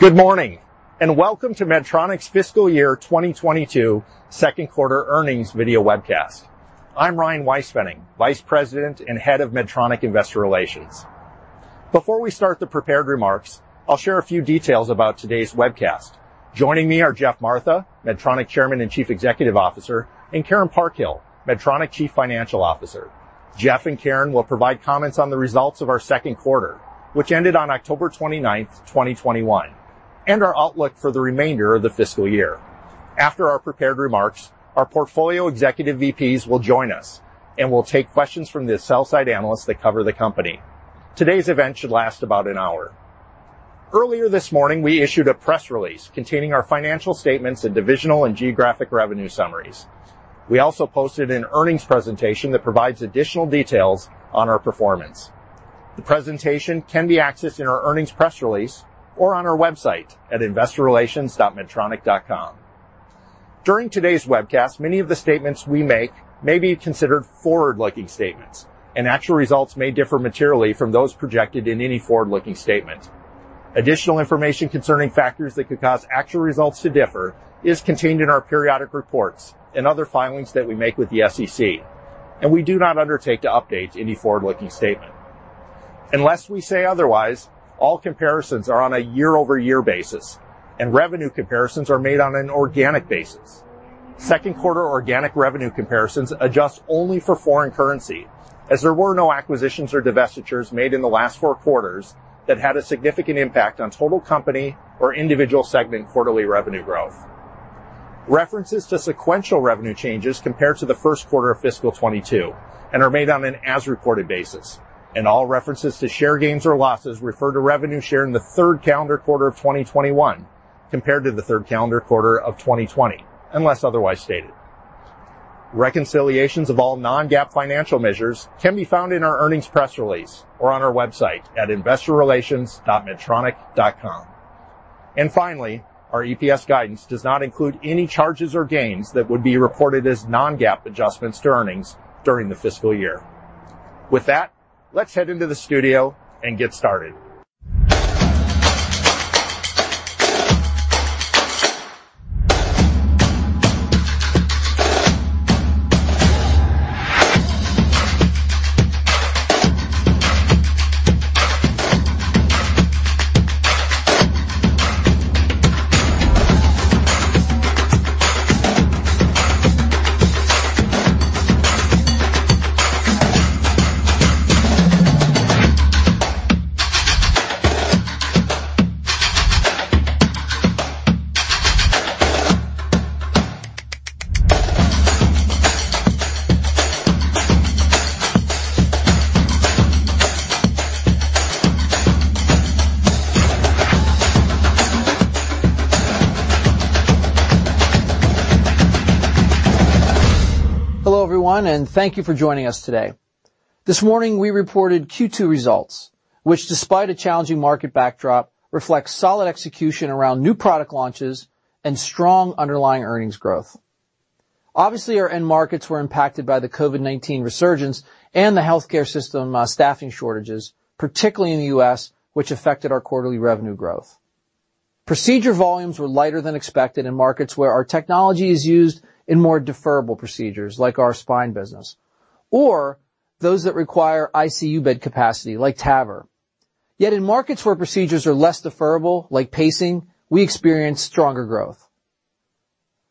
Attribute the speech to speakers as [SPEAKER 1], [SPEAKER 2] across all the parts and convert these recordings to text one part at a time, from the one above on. [SPEAKER 1] Good morning, and welcome to Medtronic's fiscal year 2022 second quarter earnings video webcast. I'm Ryan Weispfenning, Vice President and Head of Medtronic Investor Relations. Before we start the prepared remarks, I'll share a few details about today's webcast. Joining me are Geoff Martha, Medtronic Chairman and Chief Executive Officer, and Karen Parkhill, Medtronic Chief Financial Officer. Geoff and Karen will provide comments on the results of our second quarter, which ended on October 29, 2021, and our outlook for the remainder of the fiscal year. After our prepared remarks, our portfolio executive VPs will join us, and we'll take questions from the sell-side analysts that cover the company. Today's event should last about an hour. Earlier this morning, we issued a press release containing our financial statements and divisional and geographic revenue summaries. We also posted an earnings presentation that provides additional details on our performance. The presentation can be accessed in our earnings press release or on our website at investorrelations.medtronic.com. During today's webcast, many of the statements we make may be considered forward-looking statements, and actual results may differ materially from those projected in any forward-looking statement. Additional information concerning factors that could cause actual results to differ is contained in our periodic reports and other filings that we make with the SEC, and we do not undertake to update any forward-looking statement. Unless we say otherwise, all comparisons are on a year-over-year basis, and revenue comparisons are made on an organic basis. Second quarter organic revenue comparisons adjust only for foreign currency, as there were no acquisitions or divestitures made in the last four quarters that had a significant impact on total company or individual segment quarterly revenue growth. References to sequential revenue changes compared to the first quarter of FY 2022 are made on an as-reported basis. All references to share gains or losses refer to revenue share in the third calendar quarter of 2021 compared to the third calendar quarter of 2020, unless otherwise stated. Reconciliations of all non-GAAP financial measures can be found in our earnings press release or on our website at investorrelations.medtronic.com. Finally, our EPS guidance does not include any charges or gains that would be reported as non-GAAP adjustments to earnings during the fiscal year. With that, let's head into the studio and get started.
[SPEAKER 2] Hello, everyone, and thank you for joining us today. This morning, we reported Q2 results, which despite a challenging market backdrop, reflects solid execution around new product launches and strong underlying earnings growth. Obviously, our end markets were impacted by the COVID-19 resurgence and the healthcare system staffing shortages, particularly in the U.S., which affected our quarterly revenue growth. Procedure volumes were lighter than expected in markets where our technology is used in more deferrable procedures like our spine business, or those that require ICU bed capacity like TAVR. Yet in markets where procedures are less deferrable, like pacing, we experience stronger growth.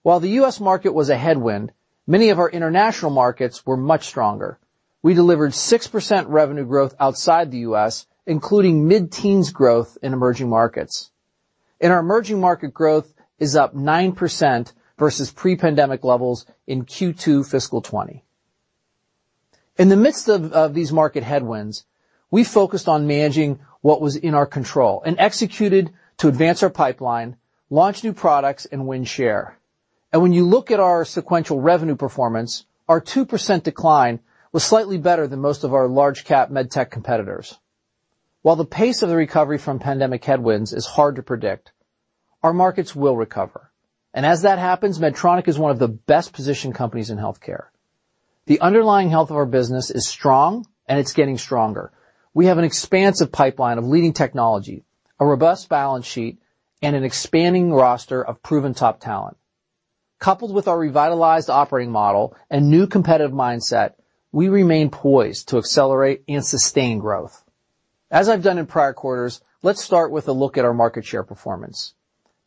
[SPEAKER 2] While the U.S. market was a headwind, many of our international markets were much stronger. We delivered 6% revenue growth outside the U.S., including mid-teens growth in emerging markets. Our emerging market growth is up 9% versus pre-pandemic levels in Q2 FY 2020. In the midst of these market headwinds, we focused on managing what was in our control and executed to advance our pipeline, launch new products, and win share. When you look at our sequential revenue performance, our 2% decline was slightly better than most of our large cap med tech competitors. While the pace of the recovery from pandemic headwinds is hard to predict, our markets will recover. As that happens, Medtronic is one of the best-positioned companies in healthcare. The underlying health of our business is strong, and it's getting stronger. We have an expansive pipeline of leading technology, a robust balance sheet, and an expanding roster of proven top talent. Coupled with our revitalized operating model and new competitive mindset, we remain poised to accelerate and sustain growth. As I've done in prior quarters, let's start with a look at our market share performance.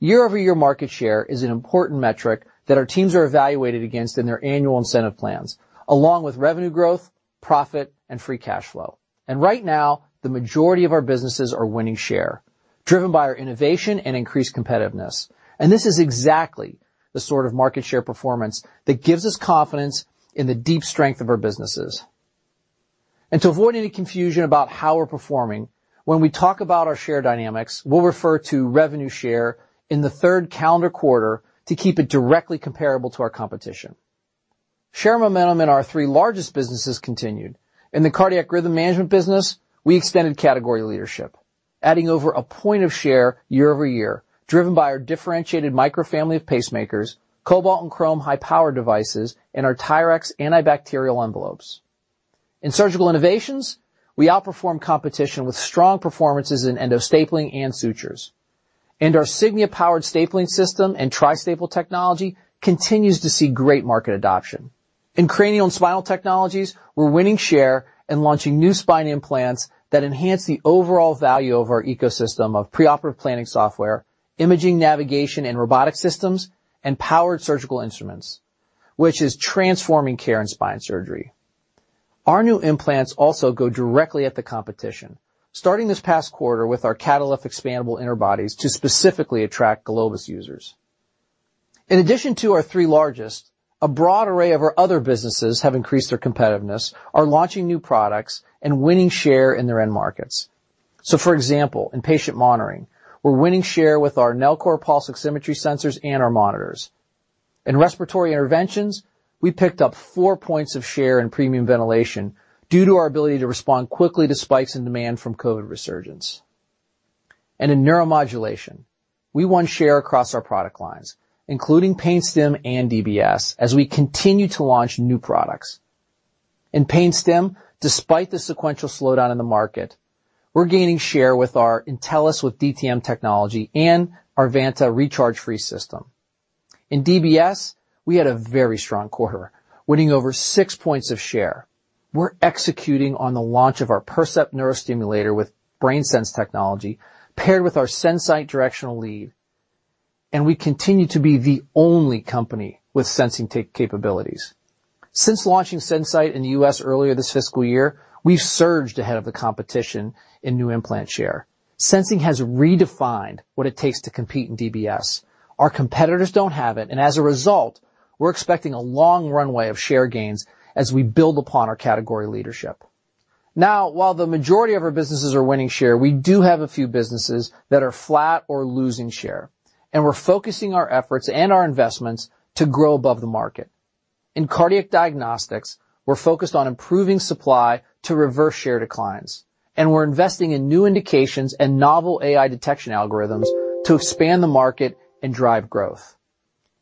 [SPEAKER 2] Year-over-year market share is an important metric that our teams are evaluated against in their annual incentive plans, along with revenue growth, profit, and free cash flow. Right now, the majority of our businesses are winning share, driven by our innovation and increased competitiveness. This is exactly the sort of market share performance that gives us confidence in the deep strength of our businesses. To avoid any confusion about how we're performing, when we talk about our share dynamics, we'll refer to revenue share in the third calendar quarter to keep it directly comparable to our competition. Share momentum in our three largest businesses continued. In the cardiac rhythm management business, we extended category leadership, adding over a point of share year over year, driven by our differentiated Micra family of pacemakers, Cobalt and Crome high-power devices, and our TYRX antibacterial envelopes. In surgical innovations, we outperform competition with strong performances in endostapling and sutures. Our Signia-powered stapling system and Tri-Staple technology continues to see great market adoption. In cranial and spinal technologies, we're winning share and launching new spine implants that enhance the overall value of our ecosystem of preoperative planning software, imaging, navigation, and robotic systems, and powered surgical instruments, which is transforming care and spine surgery. Our new implants also go directly at the competition, starting this past quarter with our Catalyft expandable interbodies to specifically attract Globus users. In addition to our three largest, a broad array of our other businesses have increased their competitiveness, are launching new products, and winning share in their end markets. For example, in patient monitoring, we're winning share with our Nellcor pulse oximetry sensors and our monitors. In respiratory interventions, we picked up four points of share in premium ventilation due to our ability to respond quickly to spikes in demand from COVID resurgence. In neuromodulation, we won share across our product lines, including Pain Stim and DBS, as we continue to launch new products. In Pain Stim, despite the sequential slowdown in the market, we're gaining share with our Intellis with DTM technology and our Vanta recharge-free system. In DBS, we had a very strong quarter, winning over six points of share. We're executing on the launch of our Percept neurostimulator with BrainSense technology paired with our SenSight directional lead, and we continue to be the only company with sensing tech capabilities. Since launching SenSight in the U.S. earlier this fiscal year, we've surged ahead of the competition in new implant share. Sensing has redefined what it takes to compete in DBS. Our competitors don't have it, and as a result, we're expecting a long runway of share gains as we build upon our category leadership. Now, while the majority of our businesses are winning share, we do have a few businesses that are flat or losing share, and we're focusing our efforts and our investments to grow above the market. In cardiac diagnostics, we're focused on improving supply to reverse share declines, and we're investing in new indications and novel AI detection algorithms to expand the market and drive growth.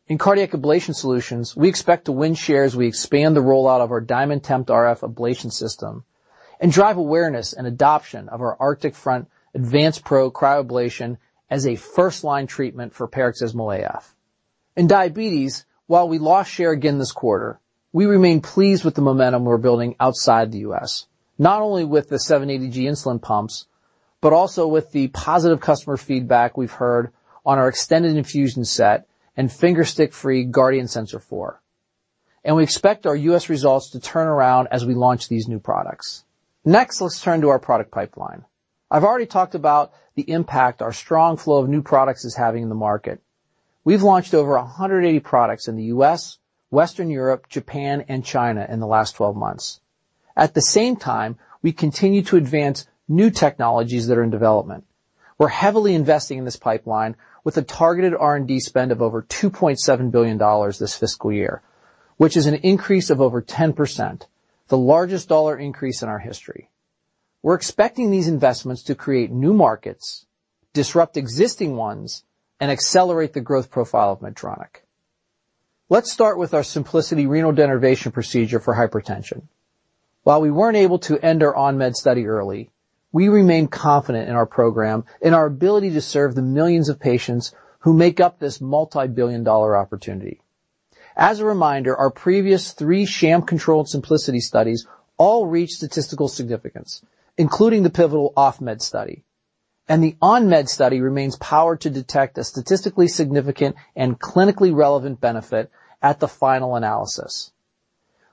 [SPEAKER 2] In cardiac ablation solutions, we expect to win share as we expand the rollout of our DiamondTemp RF ablation system and drive awareness and adoption of our Arctic Front Advance Pro cryoablation as a first-line treatment for paroxysmal AF. In diabetes, while we lost share again this quarter, we remain pleased with the momentum we're building outside the U.S., not only with the 770G insulin pumps, but also with the positive customer feedback we've heard on our extended infusion set and finger stick-free Guardian 4 Sensor. We expect our U.S. results to turn around as we launch these new products. Next, let's turn to our product pipeline. I've already talked about the impact our strong flow of new products is having in the market. We've launched over 180 products in the U.S., Western Europe, Japan, and China in the last 12 months. At the same time, we continue to advance new technologies that are in development. We're heavily investing in this pipeline with a targeted R&D spend of over $2.7 billion this fiscal year, which is an increase of over 10%, the largest dollar increase in our history. We're expecting these investments to create new markets, disrupt existing ones, and accelerate the growth profile of Medtronic. Let's start with our Symplicity renal denervation procedure for hypertension. While we weren't able to end our on-med study early, we remain confident in our program in our ability to serve the millions of patients who make up this multi-billion dollar opportunity. As a reminder, our previous three sham-controlled Symplicity studies all reached statistical significance, including the pivotal off-med study, and the on-med study remains powered to detect a statistically significant and clinically relevant benefit at the final analysis.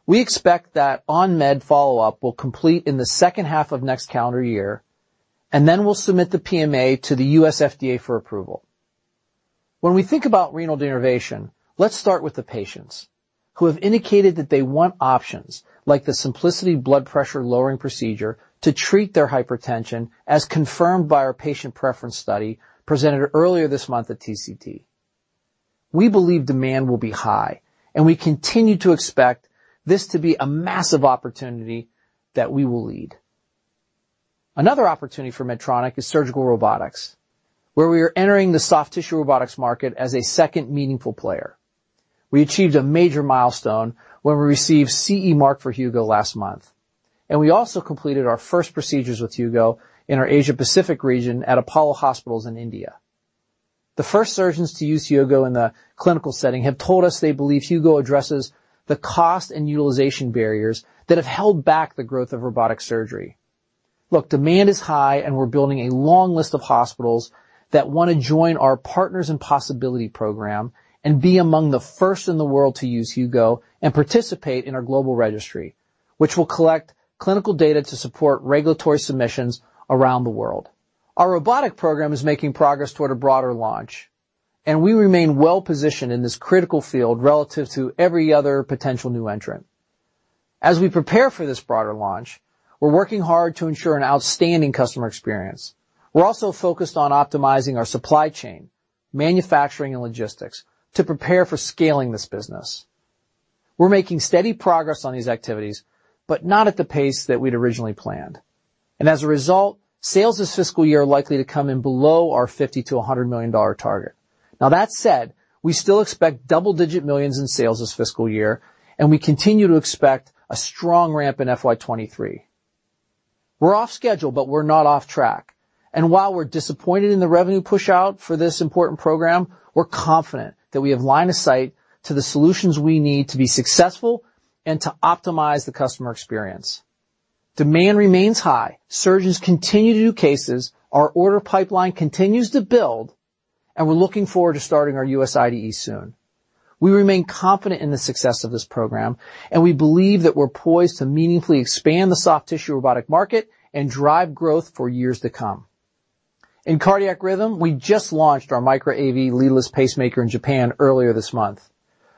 [SPEAKER 2] We expect that on-med follow-up will complete in the second half of next calendar year, and then we'll submit the PMA to the U.S. FDA for approval. When we think about renal denervation, let's start with the patients who have indicated that they want options like the Symplicity blood pressure lowering procedure to treat their hypertension, as confirmed by our patient preference study presented earlier this month at TCT. We believe demand will be high, and we continue to expect this to be a massive opportunity that we will lead. Another opportunity for Medtronic is surgical robotics, where we are entering the soft tissue robotics market as a second meaningful player. We achieved a major milestone when we received CE mark for Hugo last month. We also completed our first procedures with Hugo in our Asia-Pacific region at Apollo Hospitals in India. The first surgeons to use Hugo in the clinical setting have told us they believe Hugo addresses the cost and utilization barriers that have held back the growth of robotic surgery. Look, demand is high, and we're building a long list of hospitals that want to join our Partners in Possibility program and be among the first in the world to use Hugo and participate in our global registry, which will collect clinical data to support regulatory submissions around the world. Our robotic program is making progress toward a broader launch, and we remain well positioned in this critical field relative to every other potential new entrant. As we prepare for this broader launch, we're working hard to ensure an outstanding customer experience. We're also focused on optimizing our supply chain, manufacturing, and logistics to prepare for scaling this business. We're making steady progress on these activities, but not at the pace that we'd originally planned. As a result, sales this fiscal year are likely to come in below our $50-$100 million target. Now that said, we still expect double-digit millions in sales this fiscal year, and we continue to expect a strong ramp in FY 2023. We're off schedule, but we're not off track. While we're disappointed in the revenue pushout for this important program, we're confident that we have line of sight to the solutions we need to be successful and to optimize the customer experience. Demand remains high. Surgeons continue to do cases, our order pipeline continues to build, and we're looking forward to starting our U.S. IDE soon. We remain confident in the success of this program, and we believe that we're poised to meaningfully expand the soft tissue robotic market and drive growth for years to come. In cardiac rhythm, we just launched our Micra AV leadless pacemaker in Japan earlier this month.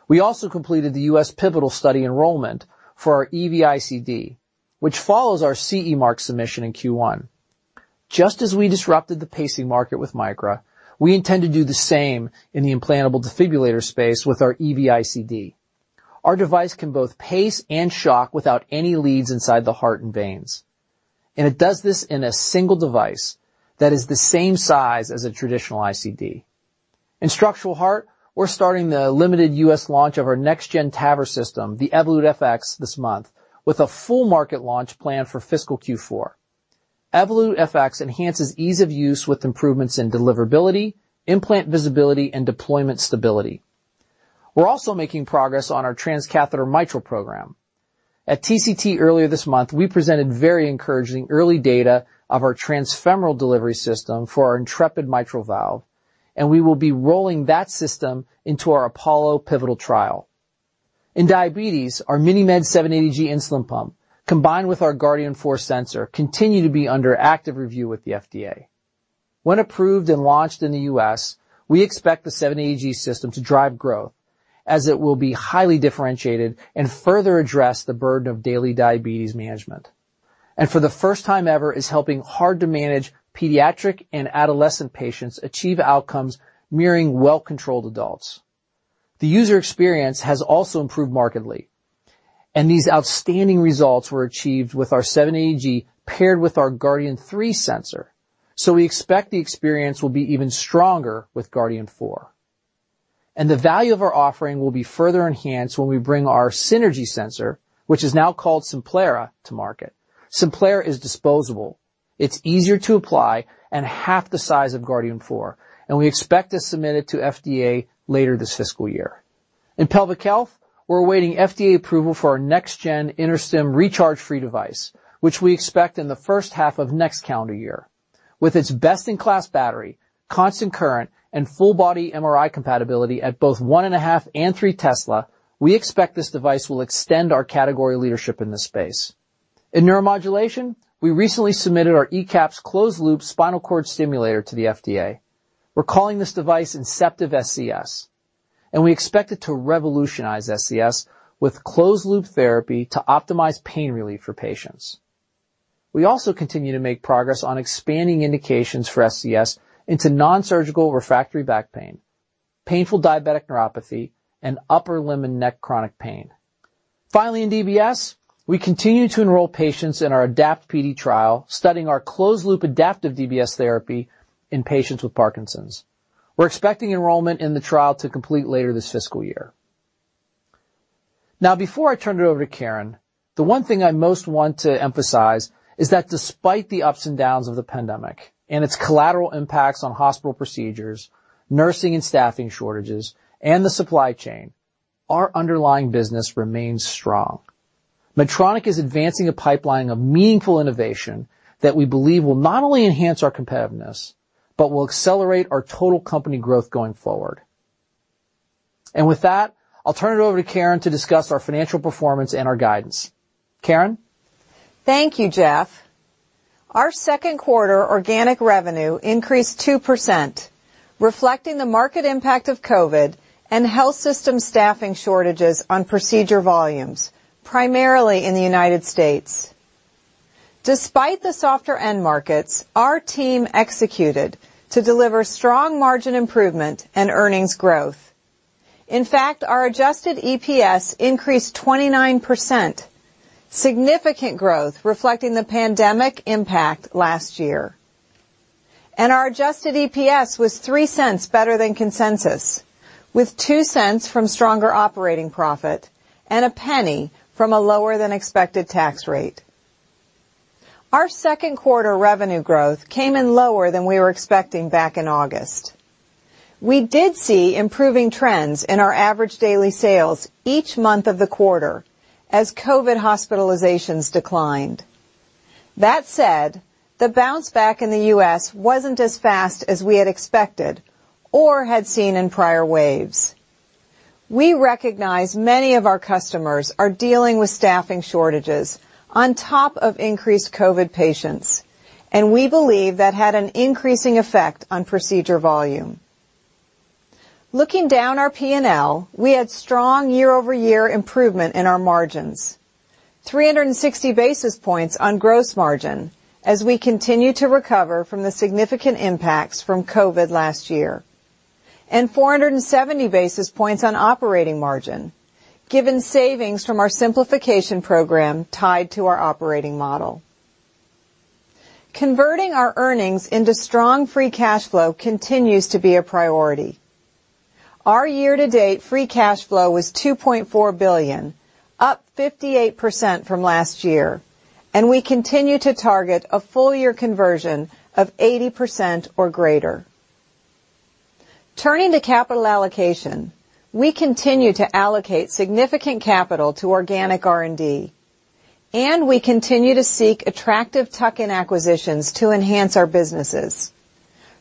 [SPEAKER 2] We also completed the U.S. pivotal study enrollment for our EV-ICD, which follows our CE mark submission in Q1. Just as we disrupted the pacing market with Micra, we intend to do the same in the implantable defibrillator space with our EV-ICD. Our device can both pace and shock without any leads inside the heart and veins. It does this in a single device that is the same size as a traditional ICD. In structural heart, we're starting the limited U.S. launch of our next gen TAVR system, the Evolut FX, this month, with a full market launch planned for fiscal Q4. Evolut FX enhances ease of use with improvements in deliverability, implant visibility, and deployment stability. We're also making progress on our transcatheter mitral program. At TCT earlier this month, we presented very encouraging early data of our transfemoral delivery system for our Intrepid mitral valve, and we will be rolling that system into our Apollo pivotal trial. In diabetes, our MiniMed 780G insulin pump, combined with our Guardian four sensor, continue to be under active review with the FDA. When approved and launched in the U.S., we expect the 780G system to drive growth, as it will be highly differentiated and further address the burden of daily diabetes management. For the first time ever, it is helping hard to manage pediatric and adolescent patients achieve outcomes mirroring well-controlled adults. The user experience has also improved markedly, and these outstanding results were achieved with our 780G paired with our Guardian 3 sensor. We expect the experience will be even stronger with Guardian 4. The value of our offering will be further enhanced when we bring our Synergy sensor, which is now called Simplera, to market. Simplera is disposable. It's easier to apply and half the size of Guardian 4, and we expect to submit it to FDA later this fiscal year. In pelvic health, we're awaiting FDA approval for our next gen InterStim recharge-free device, which we expect in the first half of next calendar year. With its best-in-class battery, constant current, and full body MRI compatibility at both 1.5 and three tesla, we expect this device will extend our category leadership in this space. In neuromodulation, we recently submitted our ECAP closed-loop spinal cord stimulator to the FDA. We're calling this device Inceptiv SCS, and we expect it to revolutionize SCS with closed-loop therapy to optimize pain relief for patients. We also continue to make progress on expanding indications for SCS into nonsurgical refractory back pain, painful diabetic neuropathy, and upper limb and neck chronic pain. Finally, in DBS, we continue to enroll patients in our ADAPT-PD trial, studying our closed-loop adaptive DBS therapy in patients with Parkinson's. We're expecting enrollment in the trial to complete later this fiscal year. Now, before I turn it over to Karen, the one thing I most want to emphasize is that despite the ups and downs of the pandemic and its collateral impacts on hospital procedures, nursing and staffing shortages, and the supply chain, our underlying business remains strong. Medtronic is advancing a pipeline of meaningful innovation that we believe will not only enhance our competitiveness, but will accelerate our total company growth going forward. With that, I'll turn it over to Karen to discuss our financial performance and our guidance. Karen?
[SPEAKER 3] Thank you, Geoff. Our second quarter organic revenue increased 2%, reflecting the market impact of COVID-19 and health system staffing shortages on procedure volumes, primarily in the United States. Despite the softer end markets, our team executed to deliver strong margin improvement and earnings growth. In fact, our adjusted EPS increased 29%, significant growth reflecting the pandemic impact last year. Our adjusted EPS was $0.03 better than consensus, with $0.02 from stronger operating profit and $0.01 from a lower than expected tax rate. Our second quarter revenue growth came in lower than we were expecting back in August. We did see improving trends in our average daily sales each month of the quarter as COVID-19 hospitalizations declined. That said, the bounce back in the U.S. wasn't as fast as we had expected or had seen in prior waves. We recognize many of our customers are dealing with staffing shortages on top of increased Covid patients, and we believe that had an increasing effect on procedure volume. Looking down our P&L, we had strong year-over-year improvement in our margins. 360 basis points on gross margin as we continue to recover from the significant impacts from Covid last year. 470 basis points on operating margin given savings from our simplification program tied to our operating model. Converting our earnings into strong free cash flow continues to be a priority. Our year-to-date free cash flow was $2.4 billion, up 58% from last year, and we continue to target a full year conversion of 80% or greater. Turning to capital allocation, we continue to allocate significant capital to organic R&D, and we continue to seek attractive tuck-in acquisitions to enhance our businesses.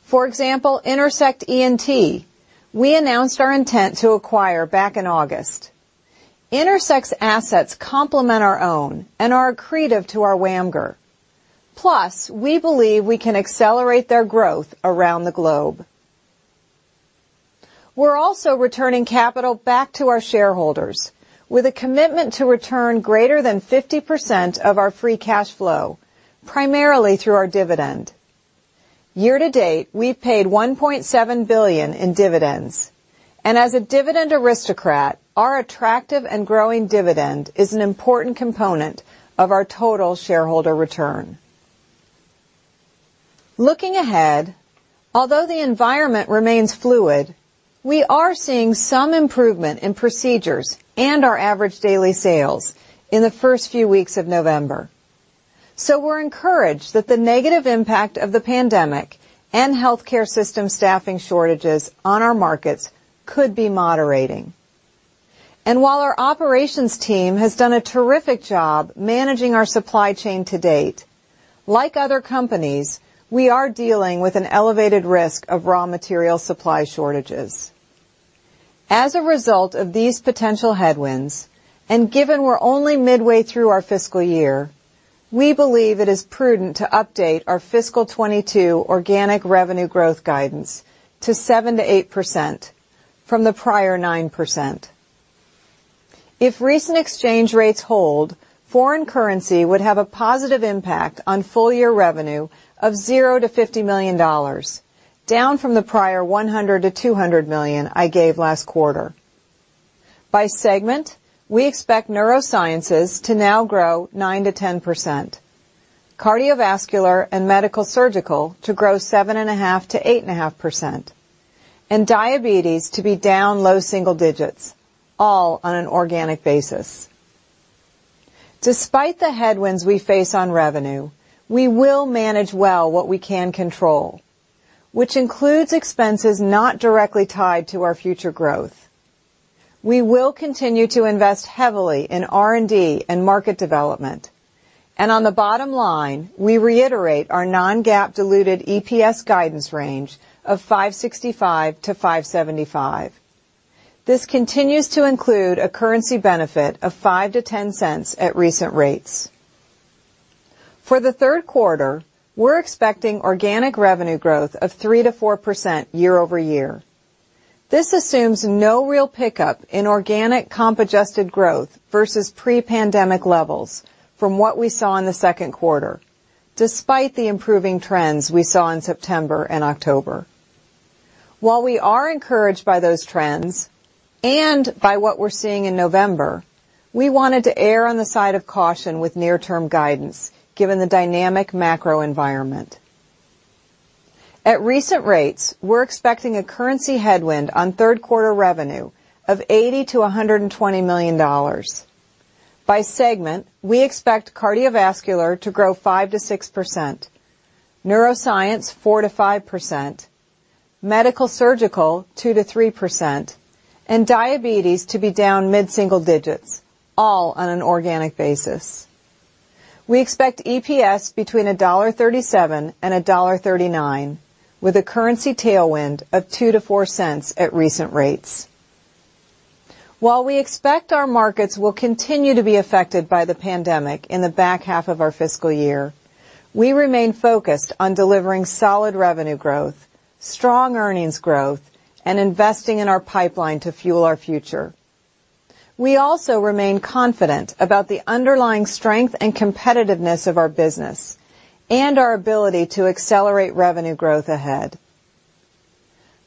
[SPEAKER 3] For example, Intersect ENT, we announced our intent to acquire back in August. Intersect's assets complement our own and are accretive to our WAMGR. Plus, we believe we can accelerate their growth around the globe. We're also returning capital back to our shareholders with a commitment to return greater than 50% of our free cash flow, primarily through our dividend. Year to date, we've paid $1.7 billion in dividends, and as a dividend aristocrat, our attractive and growing dividend is an important component of our total shareholder return. Looking ahead, although the environment remains fluid, we are seeing some improvement in procedures and our average daily sales in the first few weeks of November. We're encouraged that the negative impact of the pandemic and healthcare system staffing shortages on our markets could be moderating. While our operations team has done a terrific job managing our supply chain to date, like other companies, we are dealing with an elevated risk of raw material supply shortages. As a result of these potential headwinds, and given we're only midway through our fiscal year, we believe it is prudent to update our fiscal 2022 organic revenue growth guidance to 7%-8% from the prior 9%. If recent exchange rates hold, foreign currency would have a positive impact on full year revenue of $0-$50 million, down from the prior $100 million-$200 million I gave last quarter. By segment, we expect Neuroscience to now grow 9%-10%, Cardiovascular and Medical Surgical to grow 7.5%-8.5%, and Diabetes to be down low single digits, all on an organic basis. Despite the headwinds we face on revenue, we will manage well what we can control, which includes expenses not directly tied to our future growth. We will continue to invest heavily in R&D and market development. On the bottom line, we reiterate our non-GAAP diluted EPS guidance range of $5.65-$5.75. This continues to include a currency benefit of $0.05-$0.10 at recent rates. For the third quarter, we're expecting organic revenue growth of 3%-4% year-over-year. This assumes no real pickup in organic comp adjusted growth versus pre-pandemic levels from what we saw in the second quarter, despite the improving trends we saw in September and October. While we are encouraged by those trends and by what we're seeing in November, we wanted to err on the side of caution with near term guidance given the dynamic macro environment. At recent rates, we're expecting a currency headwind on third quarter revenue of $80 million-$120 million. By segment, we expect Cardiovascular to grow 5%-6%, Neuroscience 4%-5%, Medical Surgical 2%-3%, and Diabetes to be down mid-single digits, all on an organic basis. We expect EPS between $1.37 and $1.39, with a currency tailwind of $0.02-$0.04 at recent rates. While we expect our markets will continue to be affected by the pandemic in the back half of our fiscal year, we remain focused on delivering solid revenue growth, strong earnings growth, and investing in our pipeline to fuel our future. We also remain confident about the underlying strength and competitiveness of our business and our ability to accelerate revenue growth ahead.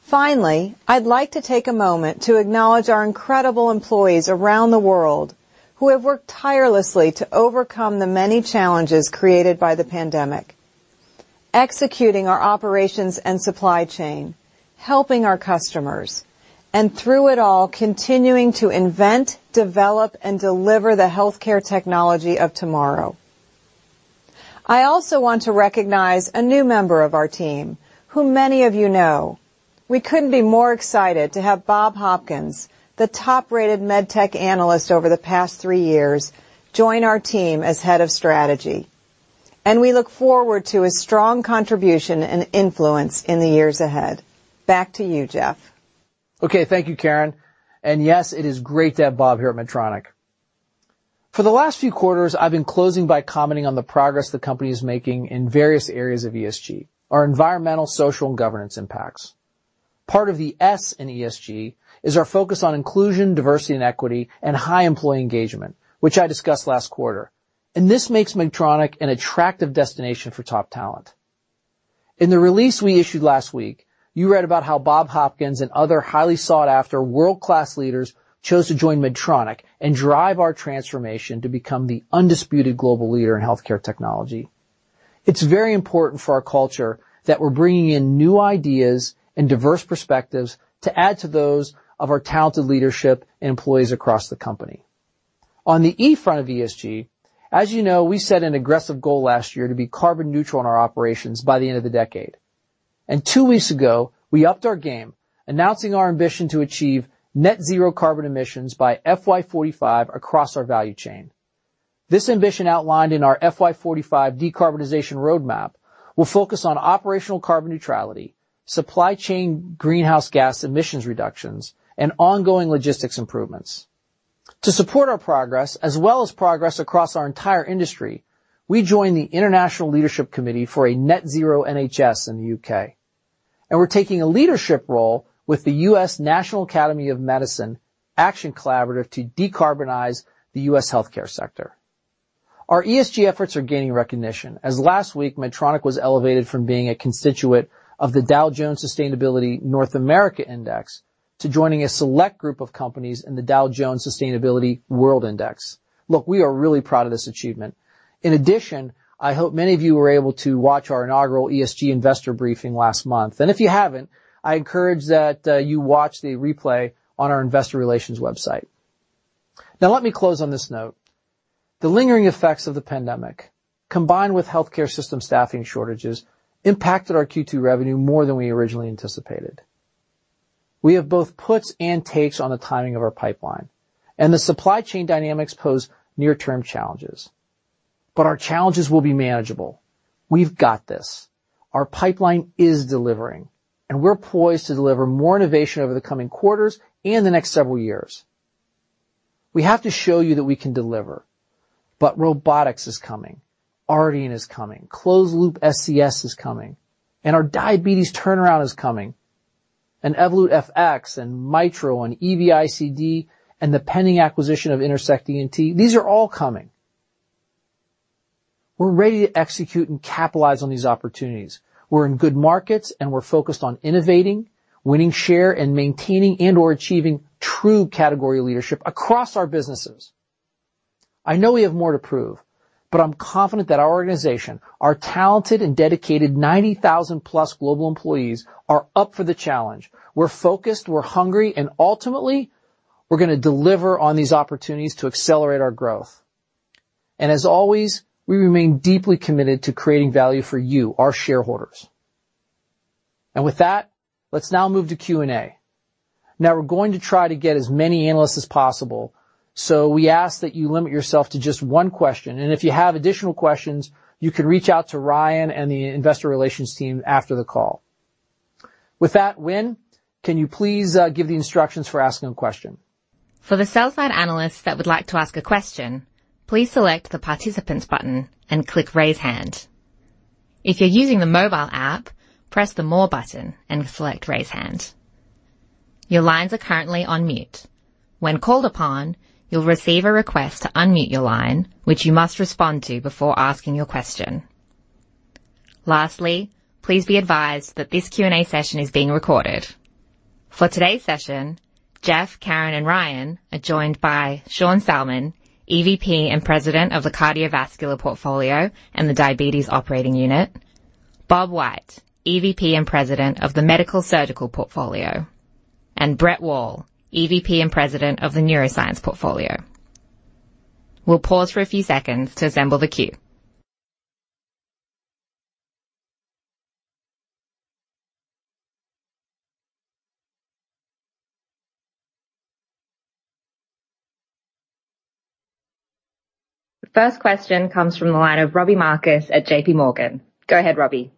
[SPEAKER 3] Finally, I'd like to take a moment to acknowledge our incredible employees around the world who have worked tirelessly to overcome the many challenges created by the pandemic, executing our operations and supply chain, helping our customers, and through it all, continuing to invent, develop, and deliver the healthcare technology of tomorrow. I also want to recognize a new member of our team who many of you know. We couldn't be more excited to have Bob Hopkins, the top-rated med tech analyst over the past three years, join our team as Head of Strategy. We look forward to his strong contribution and influence in the years ahead. Back to you, Geoff.
[SPEAKER 2] Okay. Thank you, Karen. Yes, it is great to have Bob here at Medtronic. For the last few quarters, I've been closing by commenting on the progress the company is making in various areas of ESG, our environmental, social, and governance impacts. Part of the S in ESG is our focus on inclusion, diversity, and equity and high employee engagement, which I discussed last quarter. This makes Medtronic an attractive destination for top talent. In the release we issued last week, you read about how Bob Hopkins and other highly sought after world-class leaders chose to join Medtronic and drive our transformation to become the undisputed global leader in healthcare technology. It's very important for our culture that we're bringing in new ideas and diverse perspectives to add to those of our talented leadership and employees across the company. On the E front of ESG, as you know, we set an aggressive goal last year to be carbon neutral in our operations by the end of the decade. Two weeks ago, we upped our game, announcing our ambition to achieve net zero carbon emissions by FY 2045 across our value chain. This ambition outlined in our FY 2045 decarbonization roadmap will focus on operational carbon neutrality, supply chain greenhouse gas emissions reductions, and ongoing logistics improvements. To support our progress as well as progress across our entire industry, we joined the International Leadership Committee for a Net Zero NHS in the U.K. We're taking a leadership role with the U.S. National Academy of Medicine Action Collaborative to decarbonize the U.S. healthcare sector. Our ESG efforts are gaining recognition as last week Medtronic was elevated from being a constituent of the Dow Jones Sustainability North America Index to joining a select group of companies in the Dow Jones Sustainability World Index. Look, we are really proud of this achievement. In addition, I hope many of you were able to watch our inaugural ESG investor briefing last month. If you haven't, I encourage that you watch the replay on our investor relations website. Now, let me close on this note. The lingering effects of the pandemic, combined with healthcare system staffing shortages, impacted our Q2 revenue more than we originally anticipated. We have both puts and takes on the timing of our pipeline, and the supply chain dynamics pose near-term challenges. Our challenges will be manageable. We've got this. Our pipeline is delivering, and we're poised to deliver more innovation over the coming quarters and the next several years. We have to show you that we can deliver. Robotics is coming. Ardian is coming. Closed loop SCS is coming. Our diabetes turnaround is coming. Evolut FX and Mitral and EV-ICD and the pending acquisition of Intersect ENT, these are all coming. We're ready to execute and capitalize on these opportunities. We're in good markets, and we're focused on innovating, winning share, and maintaining and/or achieving true category leadership across our businesses. I know we have more to prove, but I'm confident that our organization, our talented and dedicated 90,000-plus global employees, are up for the challenge. We're focused, we're hungry, and ultimately, we're gonna deliver on these opportunities to accelerate our growth. As always, we remain deeply committed to creating value for you, our shareholders. With that, let's now move to Q&A. Now, we're going to try to get as many analysts as possible. We ask that you limit yourself to just one question. If you have additional questions, you can reach out to Ryan and the investor relations team after the call. With that, Wynne, can you please give the instructions for asking a question?
[SPEAKER 4] For the sell-side analysts that would like to ask a question, please select the Participants button and click Raise Hand. If you're using the mobile app, press the More button and select Raise Hand. Your lines are currently on mute. When called upon, you'll receive a request to unmute your line, which you must respond to before asking your question. Lastly, please be advised that this Q&A session is being recorded. For today's session, Geoff, Karen, and Ryan are joined by Sean Salmon, EVP and President of the Cardiovascular Portfolio and the Diabetes Operating Unit, Bob White, EVP and President of the Medical Surgical Portfolio, and Brett Wall, EVP and President of the Neuroscience Portfolio. We'll pause for a few seconds to assemble the queue. The first question comes from the line of Robbie Marcus at J.P. Morgan. Go ahead, Robbie.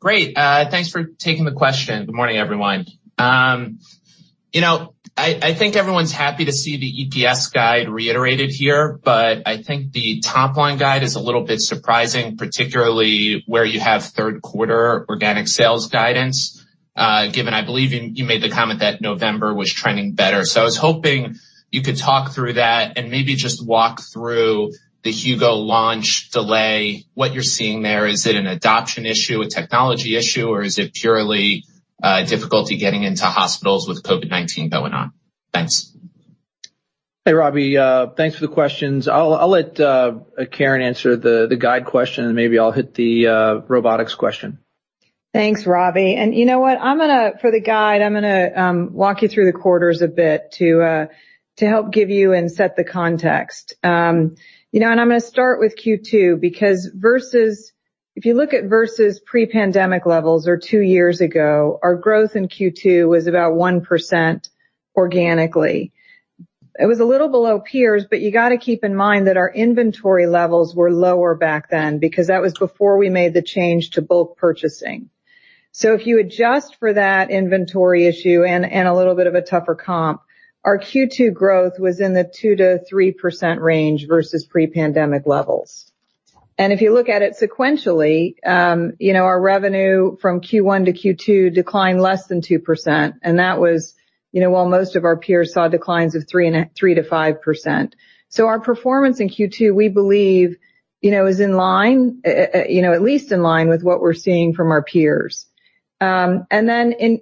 [SPEAKER 5] Great. Thanks for taking the question. Good morning, everyone. You know, I think everyone's happy to see the EPS guide reiterated here, but I think the top line guide is a little bit surprising, particularly where you have third quarter organic sales guidance, given I believe you made the comment that November was trending better. I was hoping you could talk through that and maybe just walk through the Hugo launch delay, what you're seeing there. Is it an adoption issue, a technology issue, or is it purely difficulty getting into hospitals with COVID-19 going on? Thanks.
[SPEAKER 2] Hey, Robbie, thanks for the questions. I'll let Karen answer the guide question, and maybe I'll hit the robotics question.
[SPEAKER 3] Thanks, Robbie. You know what? For the guide, I'm gonna walk you through the quarters a bit to help give you and set the context. You know, I'm gonna start with Q2, because if you look at versus pre-pandemic levels or two years ago, our growth in Q2 was about 1% organically. It was a little below peers, but you gotta keep in mind that our inventory levels were lower back then because that was before we made the change to bulk purchasing. If you adjust for that inventory issue and a little bit of a tougher comp, our Q2 growth was in the 2%-3% range versus pre-pandemic levels. If you look at it sequentially, our revenue from Q1 to Q2 declined less than 2%, and that was while most of our peers saw declines of 3%-5%. Our performance in Q2, we believe, is in line, at least in line with what we're seeing from our peers.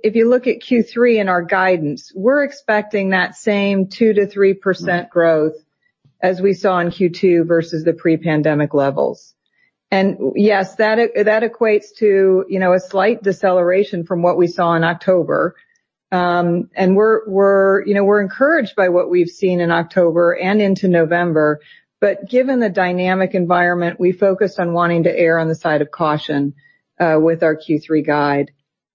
[SPEAKER 3] If you look at Q3 in our guidance, we're expecting that same 2%-3% growth as we saw in Q2 versus the pre-pandemic levels. Yes, that equates to a slight deceleration from what we saw in October. We're encouraged by what we've seen in October and into November. Given the dynamic environment, we focused on wanting to err on the side of caution with our Q3 guide.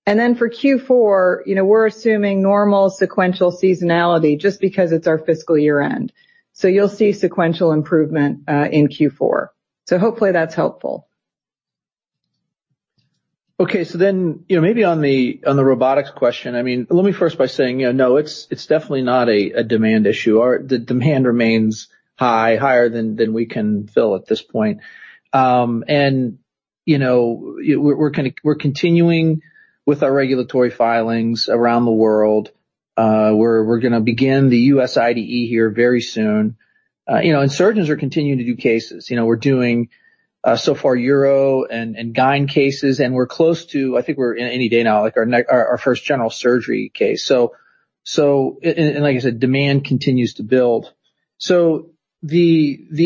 [SPEAKER 3] For Q4, you know, we're assuming normal sequential seasonality just because it's our fiscal year-end. You'll see sequential improvement in Q4. Hopefully that's helpful.
[SPEAKER 2] Okay. You know, maybe on the robotics question, I mean, let me first say, you know, no, it's definitely not a demand issue. Our demand remains high, higher than we can fill at this point. You know, we're continuing with our regulatory filings around the world. You know, surgeons are continuing to do cases. You know, we're doing so far uro and gyn cases, and we're close to. I think we're any day now, like our first general surgery case. Like I said, demand continues to build. The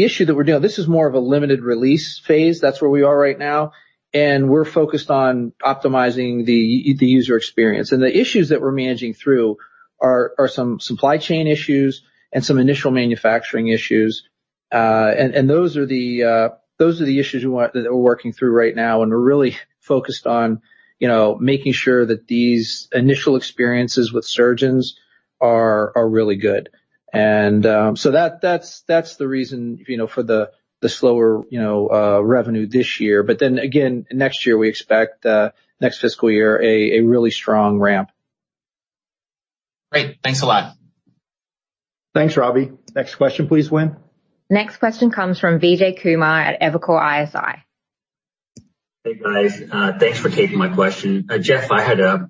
[SPEAKER 2] issue that we're dealing with is more of a limited release phase. That's where we are right now, and we're focused on optimizing the user experience. The issues that we're managing through are some supply chain issues and some initial manufacturing issues. Those are the issues we're working through right now. We're really focused on, you know, making sure that these initial experiences with surgeons are really good. That's the reason, you know, for the slower, you know, revenue this year. Next year, we expect next fiscal year a really strong ramp. Great. Thanks a lot.
[SPEAKER 1] Thanks, Robbie. Next question, please, Wynn.
[SPEAKER 4] Next question comes from Vijay Kumar at Evercore ISI.
[SPEAKER 6] Hey, guys. Thanks for taking my question. Geoff, I had a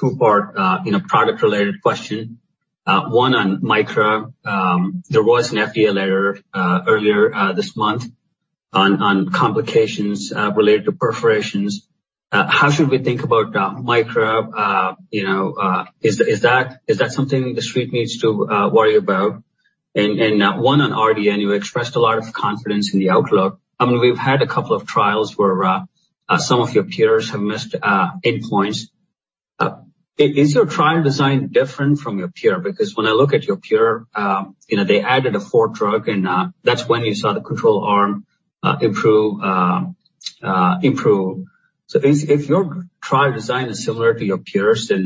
[SPEAKER 6] two-part, you know, product-related question. One on Micra. There was an FDA letter earlier this month on complications related to perforations. How should we think about Micra? You know, is that something The Street needs to worry about? One on Ardian. You expressed a lot of confidence in the outlook. I mean, we've had a couple of trials where some of your peers have missed endpoints. Is your trial design different from your peer? Because when I look at your peer, you know, they added a fourth drug and that's when you saw the control arm improve. If your trial design is similar to your peers, then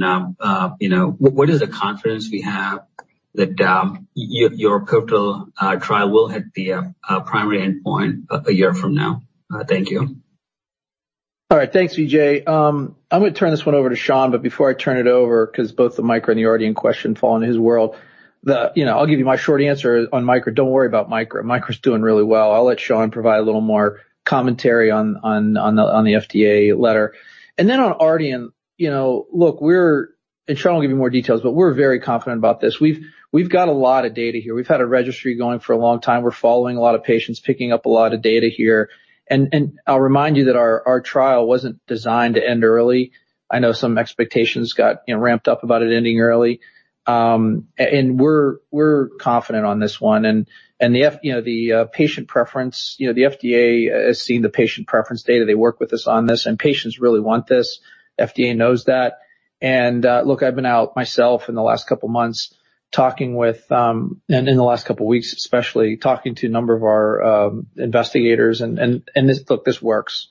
[SPEAKER 6] you know what is the confidence we have that your pivotal trial will hit the primary endpoint a year from now? Thank you.
[SPEAKER 2] All right. Thanks, Vijay. I'm gonna turn this one over to Sean, but before I turn it over, 'cause both the Micra and the Ardian question fall in his world. You know, I'll give you my short answer on Micra. Don't worry about Micra. Micra's doing really well. I'll let Sean provide a little more commentary on the FDA letter. Then on Ardian, you know, look, we're very confident about this. Sean will give you more details. We've got a lot of data here. We've had a registry going for a long time. We're following a lot of patients, picking up a lot of data here. I'll remind you that our trial wasn't designed to end early. I know some expectations got ramped up about it ending early. We're confident on this one. You know, the patient preference, you know, the FDA has seen the patient preference data. They work with us on this, and patients really want this. FDA knows that. Look, I've been out myself in the last couple of months. In the last couple of weeks, especially talking to a number of our investigators. Look, this works,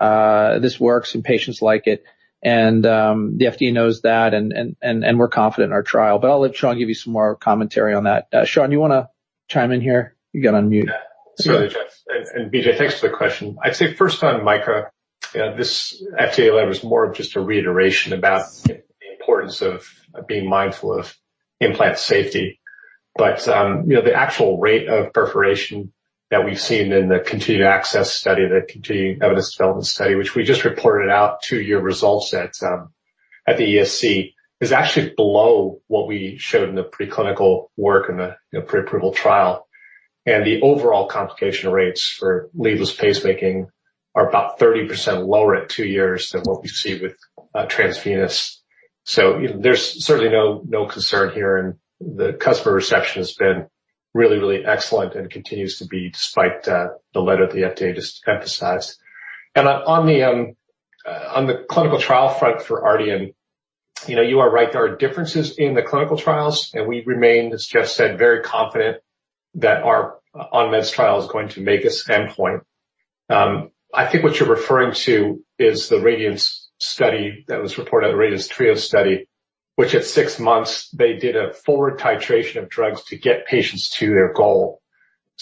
[SPEAKER 2] and patients like it. The FDA knows that, and we're confident in our trial. I'll let Sean give you some more commentary on that. Sean, you wanna chime in here? You gotta unmute.
[SPEAKER 7] Yeah. Sorry, Jeff. Vijay, thanks for the question. I'd say first on Micra, this FDA letter is more of just a reiteration about the importance of being mindful of implant safety. You know, the actual rate of perforation that we've seen in the continued access study, the continuing evidence development study, which we just reported out 2-year results at the ESC, is actually below what we showed in the preclinical work and the, you know, pre-approval trial. The overall complication rates for leadless pacemaking are about 30% lower at two years than what we see with transvenous. You know, there's certainly no concern here, and the customer reception has been really excellent and continues to be despite the letter the FDA just emphasized. On the clinical trial front for Ardian, you know, you are right, there are differences in the clinical trials, and we remain, as Jeff said, very confident that our on-meds trial is going to make this endpoint. I think what you're referring to is the RADIANCE study that was reported, the RADIANCE-3 study, which at six months they did a forward titration of drugs to get patients to their goal.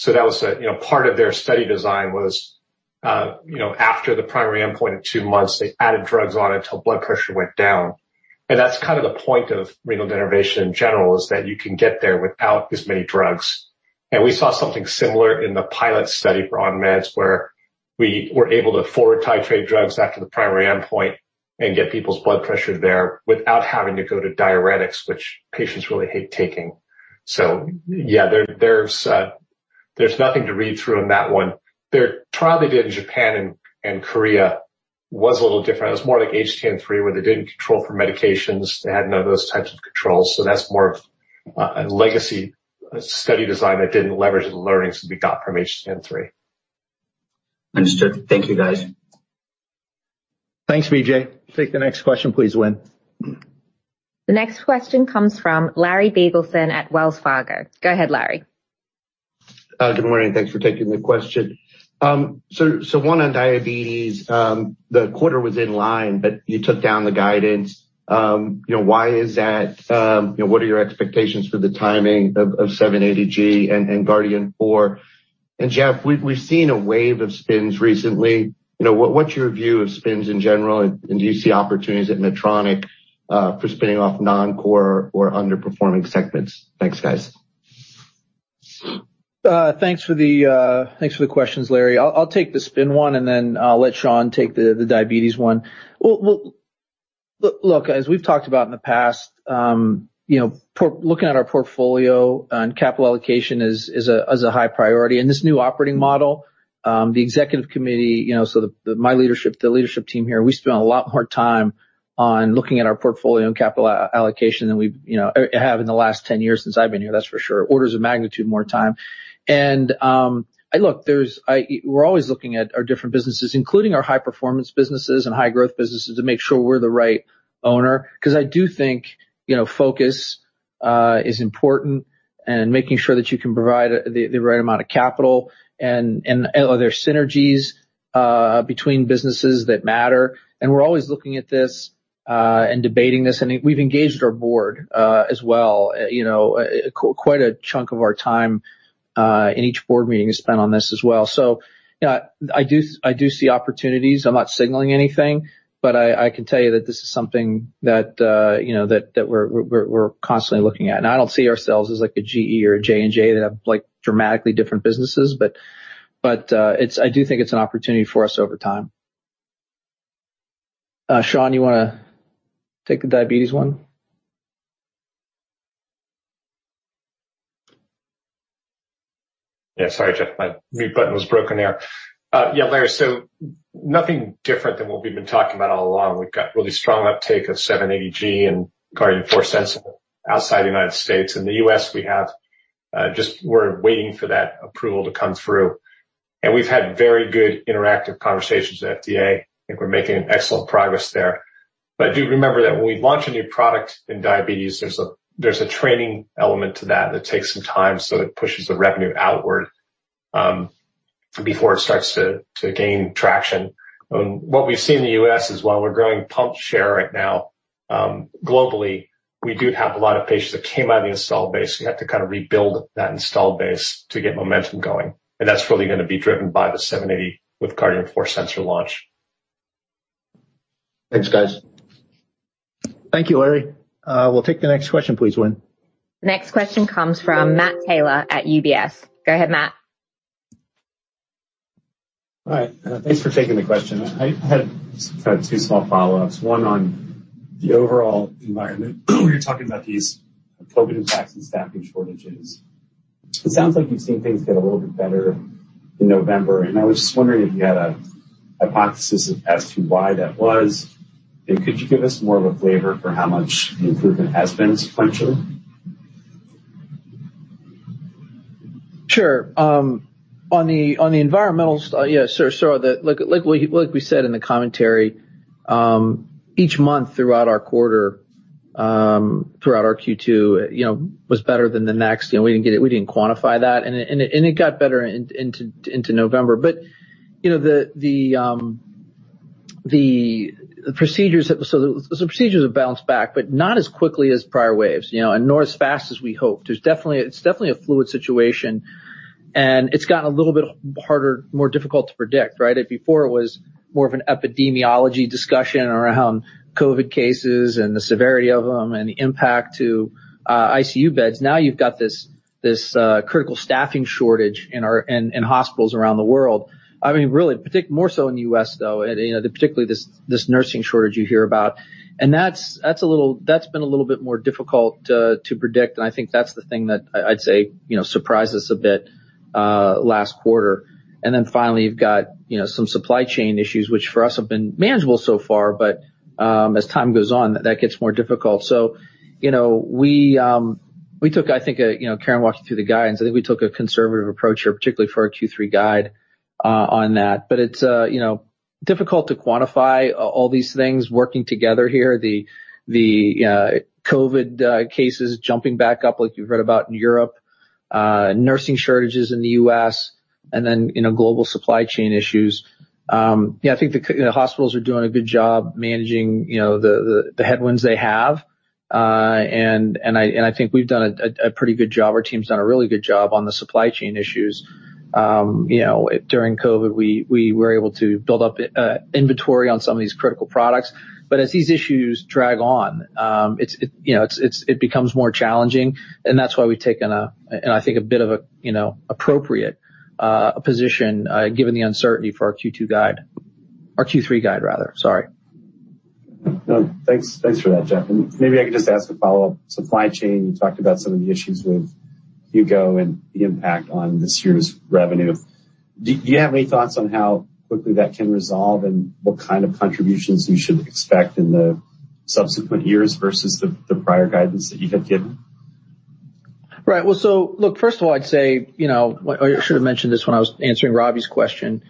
[SPEAKER 7] That was a, you know, part of their study design was, after the primary endpoint of two months, they added drugs on until blood pressure went down. That's kind of the point of renal denervation in general, is that you can get there without as many drugs. We saw something similar in the pilot study for on-meds, where we were able to forward titrate drugs after the primary endpoint and get people's blood pressure there without having to go to diuretics, which patients really hate taking. Yeah, there's nothing to read through in that one. Their trial they did in Japan and Korea was a little different. It was more like HTN-3, where they didn't control for medications. They had none of those types of controls. That's more of a legacy study design that didn't leverage the learnings we got from HTN-3.
[SPEAKER 6] Understood. Thank you, guys.
[SPEAKER 2] Thanks, Vijay. Take the next question, please, Wynn.
[SPEAKER 4] The next question comes from Larry Biegelsen at Wells Fargo. Go ahead, Larry.
[SPEAKER 8] Good morning, thanks for taking the question. One on diabetes. The quarter was in line, but you took down the guidance. You know, why is that? You know, what are your expectations for the timing of 780G and Guardian 4? Geoff, we've seen a wave of spins recently. You know, what's your view of spins in general? Do you see opportunities at Medtronic for spinning off non-core or underperforming segments? Thanks, guys.
[SPEAKER 2] Thanks for the questions, Larry. I'll take the spine one, and then I'll let Sean take the diabetes one. Look, as we've talked about in the past, you know, looking at our portfolio and capital allocation is a high priority. In this new operating model, the executive committee, you know, so the, my leadership, the leadership team here, we spend a lot more time on looking at our portfolio and capital allocation than we, you know, have in the last 10 years since I've been here, that's for sure. Orders of magnitude more time. Look, there's... We're always looking at our different businesses, including our high performance businesses and high growth businesses, to make sure we're the right owner, 'cause I do think, you know, focus is important and making sure that you can provide the right amount of capital and are there synergies between businesses that matter. We're always looking at this and debating this, and we've engaged our board as well. You know, quite a chunk of our time in each board meeting is spent on this as well. Yeah, I do see opportunities. I'm not signaling anything, but I can tell you that this is something that, you know, that we're constantly looking at. I don't see ourselves as like a GE or a J&J that have, like, dramatically different businesses, but it's an opportunity for us over time. Sean, you wanna take the diabetes one?
[SPEAKER 7] Yeah. Sorry, Jeff, my mute button was broken there. Yeah, Larry, nothing different than what we've been talking about all along. We've got really strong uptake of 780G and Guardian four sensor outside the United States. In the U.S., we're just waiting for that approval to come through. We've had very good interactive conversations with FDA, think we're making excellent progress there. Do remember that when we launch a new product in diabetes, there's a training element to that that takes some time, so it pushes the revenue outward before it starts to gain traction. What we see in the U.S. is while we're growing pump share right now, globally, we do have a lot of patients that came out of the installed base. We have to kinda rebuild that installed base to get momentum going, and that's really gonna be driven by the 780G with Guardian 4 sensor launch.
[SPEAKER 8] Thanks, guys.
[SPEAKER 2] Thank you, Larry. We'll take the next question, please, Wynn.
[SPEAKER 4] Next question comes from Matt Taylor at UBS. Go ahead, Matt.
[SPEAKER 9] All right. Thanks for taking the question. I had kind of two small follow-ups. One on the overall environment. When you're talking about these COVID impacts and staffing shortages, it sounds like you've seen things get a little bit better in November. I was just wondering if you had a hypothesis as to why that was. Could you give us more of a flavor for how much the improvement has been sequentially?
[SPEAKER 2] Sure. On the environmental. Yeah, so the. Look what we said in the commentary, each month throughout our quarter, throughout our Q2, you know, was better than the next. You know, we didn't quantify that, and it got better into November. You know, the procedures. So the procedures have bounced back, but not as quickly as prior waves, you know, and nor as fast as we hoped. It's definitely a fluid situation, and it's gotten a little bit harder, more difficult to predict, right? Before it was more of an epidemiology discussion around COVID cases and the severity of them and the impact to ICU beds. Now you've got this critical staffing shortage in our hospitals around the world. I mean, really, more so in the U.S., though, particularly this nursing shortage you hear about. That's been a little bit more difficult to predict, and I think that's the thing that I'd say surprised us a bit last quarter. Then finally, you've got some supply chain issues, which for us have been manageable so far, but as time goes on, that gets more difficult. Karen walked you through the guidance. I think we took a conservative approach here, particularly for our Q3 guide, on that. It's, you know, difficult to quantify all these things working together here, the COVID cases jumping back up like you've read about in Europe, nursing shortages in the U.S. and then, you know, global supply chain issues. Yeah, I think the hospitals are doing a good job managing, you know, the headwinds they have. I think we've done a pretty good job. Our team's done a really good job on the supply chain issues. You know, during COVID, we were able to build up inventory on some of these critical products. As these issues drag on, it's, you know, it becomes more challenging, and that's why we've taken, I think, a bit of a, you know, appropriate position given the uncertainty for our Q2 guide, our Q3 guide rather. Sorry.
[SPEAKER 9] No, thanks. Thanks for that, Jeff. Maybe I could just ask a follow-up. Supply chain, you talked about some of the issues with Hugo and the impact on this year's revenue. Do you have any thoughts on how quickly that can resolve and what kind of contributions we should expect in the subsequent years versus the prior guidance that you had given?
[SPEAKER 2] Right. Well, look, first of all, I'd say, you know. I should have mentioned this when I was answering Robbie's question.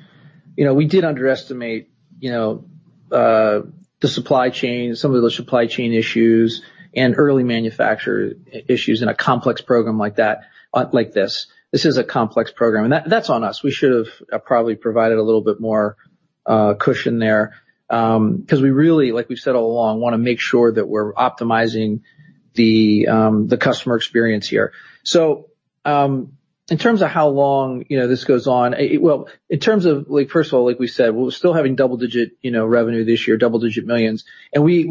[SPEAKER 2] You know, we did underestimate, you know, the supply chain, some of the supply chain issues and early manufacturing issues in a complex program like that, like this. This is a complex program, and that's on us. We should have probably provided a little bit more cushion there, 'cause we really, like we've said all along, wanna make sure that we're optimizing the customer experience here. In terms of how long, you know, this goes on, well, in terms of like, first of all, like we said, we're still having double-digit, you know, revenue this year, double-digit millions, and we're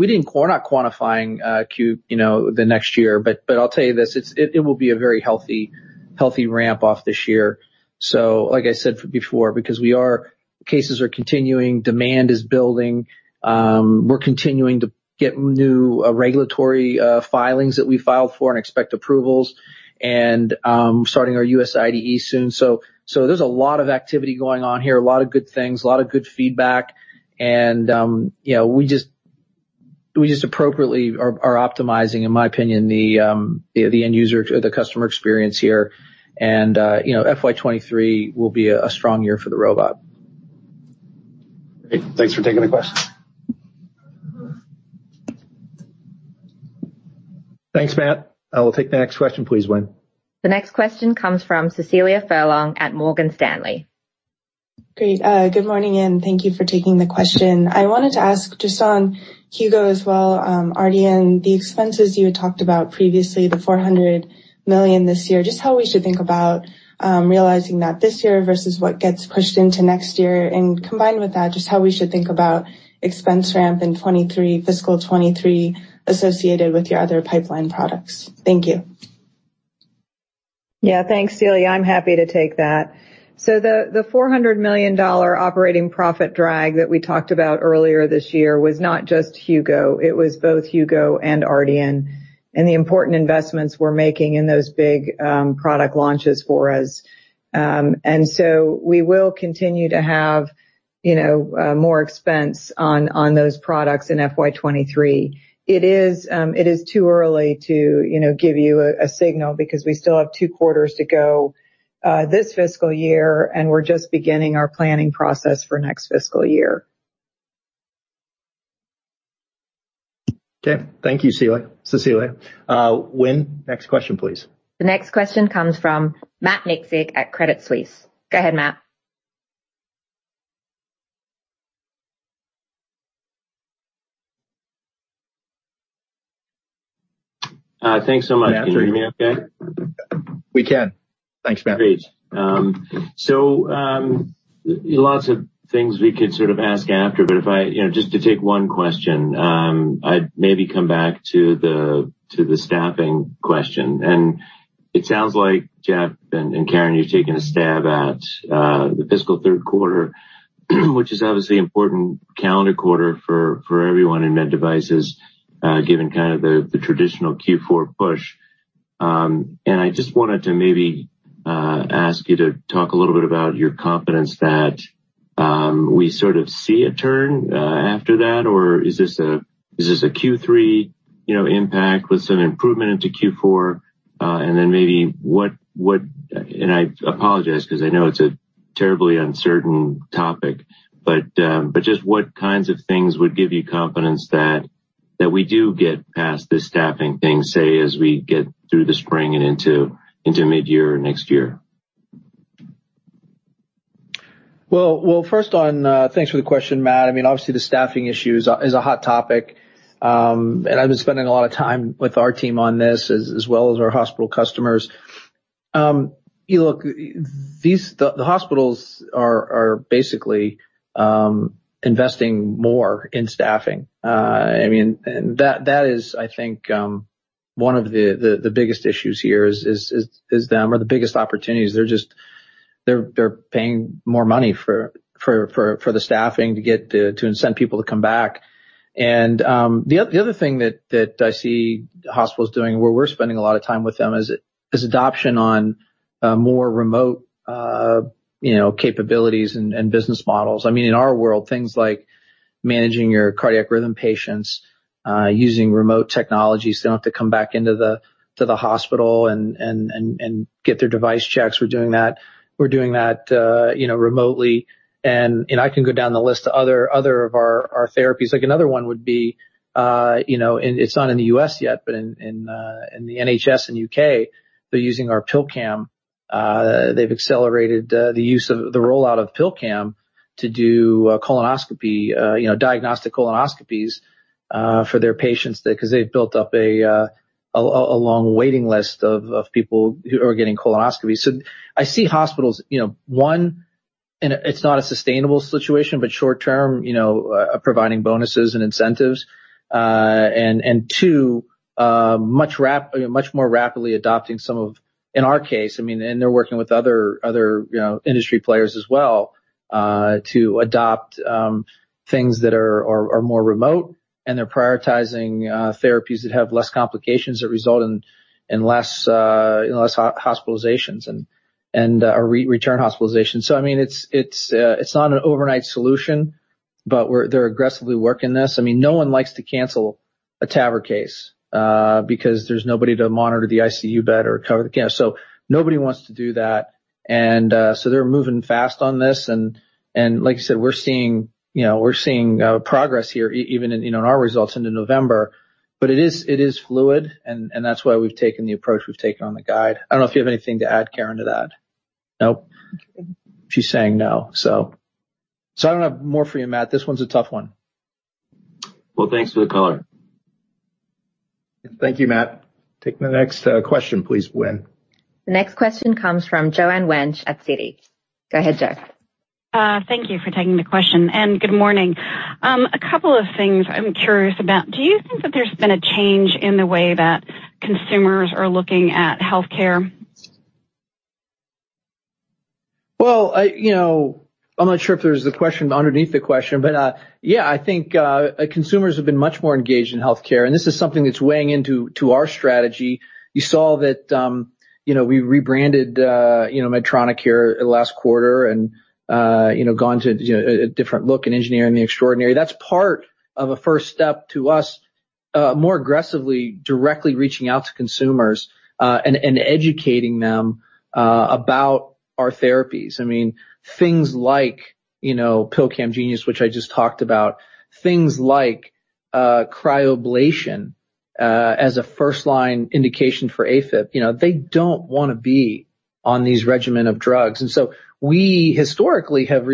[SPEAKER 2] not quantifying Q the next year, but I'll tell you this, it will be a very healthy ramp off this year. Like I said before, because cases are continuing, demand is building, we're continuing to get new regulatory filings that we filed for and expect approvals and starting our U.S. IDE soon. There's a lot of activity going on here, a lot of good things, a lot of good feedback. You know, we just appropriately are optimizing, in my opinion, the end user or the customer experience here. You know, FY 2023 will be a strong year for the robot.
[SPEAKER 9] Great. Thanks for taking the question.
[SPEAKER 1] Thanks, Matt. I will take the next question, please, Wynn.
[SPEAKER 4] The next question comes from Cecilia Furlong at Morgan Stanley.
[SPEAKER 10] Great. Good morning, and thank you for taking the question. I wanted to ask just on Hugo as well, Ardian, the expenses you had talked about previously, the $400 million this year, just how we should think about realizing that this year versus what gets pushed into next year. Combined with that, just how we should think about expense ramp in 2023, FY 2023 associated with your other pipeline products. Thank you.
[SPEAKER 3] Yeah. Thanks, Cecilia. I'm happy to take that. The $400 million operating profit drag that we talked about earlier this year was not just Hugo, it was both Hugo and Ardian, and the important investments we're making in those big product launches for us. We will continue to have, you know, more expense on those products in FY 2023. It is too early to give you a signal because we still have two quarters to go this fiscal year, and we're just beginning our planning process for next fiscal year.
[SPEAKER 1] Okay. Thank you, Cecilia. Wynn, next question, please.
[SPEAKER 4] The next question comes from Matt Miksic at Credit Suisse. Go ahead, Matt.
[SPEAKER 11] Thanks so much. Can you hear me okay?
[SPEAKER 1] We can. Thanks, Matt.
[SPEAKER 11] Great. Lots of things we could sort of ask after, but if I you know just to take one question, I'd maybe come back to the staffing question. It sounds like Geoff and Karen you've taken a stab at the fiscal third quarter, which is obviously important calendar quarter for everyone in med devices given kind of the traditional Q4 push. I just wanted to maybe ask you to talk a little bit about your confidence that we sort of see a turn after that? Or is this a Q3 you know impact with some improvement into Q4? Maybe what... I apologize 'cause I know it's a terribly uncertain topic, but just what kinds of things would give you confidence that we do get past this staffing thing, say, as we get through the spring and into mid-year next year? First on, thanks for the question, Matt. I mean, obviously the staffing issue is a hot topic. I've been spending a lot of time with our team on this as well as our hospital customers. Look, the hospitals are basically investing more in staffing. I mean, that is, I think, one of the biggest issues here is them, or the biggest opportunities. They're just paying more money for the staffing to incent people to come back.
[SPEAKER 2] The other thing that I see hospitals doing, where we're spending a lot of time with them, is adoption on more remote, you know, capabilities and business models. I mean, in our world, things like managing your cardiac rhythm patients using remote technology, so they don't have to come back into the hospital and get their device checks. We're doing that, you know, remotely. I can go down the list of other of our therapies. Like, another one would be, you know, and it's not in the U.S. yet, but in the NHS in U.K., they're using our PillCam. They've accelerated the use of the rollout of PillCam to do colonoscopy, you know, diagnostic colonoscopies for their patients they... Because they've built up a long waiting list of people who are getting colonoscopies. So I see hospitals, you know, one, and it's not a sustainable situation, but short-term, you know, providing bonuses and incentives. Two, much more rapidly adopting some of, in our case, I mean, and they're working with other industry players as well, to adopt things that are more remote, and they're prioritizing therapies that have less complications that result in less hospitalizations and return hospitalizations. So I mean, it's not an overnight solution, but they're aggressively working this. I mean, no one likes to cancel a TAVR case because there's nobody to monitor the ICU bed or cover the you know. Nobody wants to do that, and so they're moving fast on this and like I said, we're seeing, you know, progress here even in our results into November. It is fluid and that's why we've taken the approach we've taken on the guide. I don't know if you have anything to add, Karen, to that.
[SPEAKER 11] Nope. She's saying no. I don't have more for you, Matt. This one's a tough one. Well, thanks for the color.
[SPEAKER 1] Thank you, Matt. Take the next question please, Wynn.
[SPEAKER 4] The next question comes from Joanne Wuensch at Citi. Go ahead, Jo.
[SPEAKER 12] Thank you for taking the question, and good morning. A couple of things I'm curious about, do you think that there's been a change in the way that consumers are looking at healthcare?
[SPEAKER 2] Well, you know, I'm not sure if there's the question underneath the question, but yeah, I think consumers have been much more engaged in healthcare, and this is something that's weighing into our strategy. You saw that, you know, we rebranded, you know, Medtronic here last quarter and, you know, gone to, you know, a different look in Engineering the Extraordinary. That's part of a first step to us more aggressively directly reaching out to consumers and educating them about our therapies. I mean, things like, you know, PillCam Genius, which I just talked about. Things like cryoablation as a first-line indication for AFib. You know, they don't wanna be on these regimen of drugs. We historically have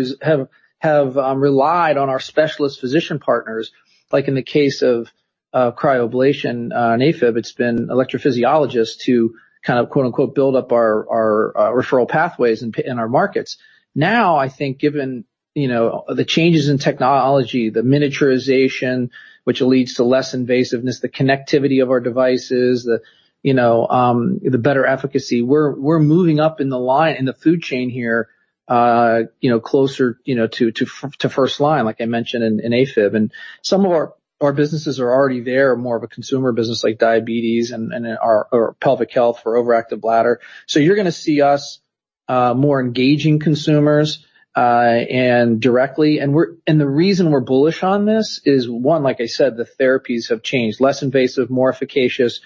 [SPEAKER 2] relied on our specialist physician partners, like in the case of cryoablation on AFib. It's been electrophysiologists to kind of, quote-unquote, "build up our referral pathways in our markets." Now, I think given you know the changes in technology, the miniaturization, which leads to less invasiveness, the connectivity of our devices, you know the better efficacy, we're moving up in the food chain here, you know closer you know to first line, like I mentioned in AFib. Some of our businesses are already there, more of a consumer business like diabetes and our or pelvic health or overactive bladder. You're gonna see us more engaging consumers and directly. We're The reason we're bullish on this is, one, like I said, the therapies have changed. Less invasive, more efficacious,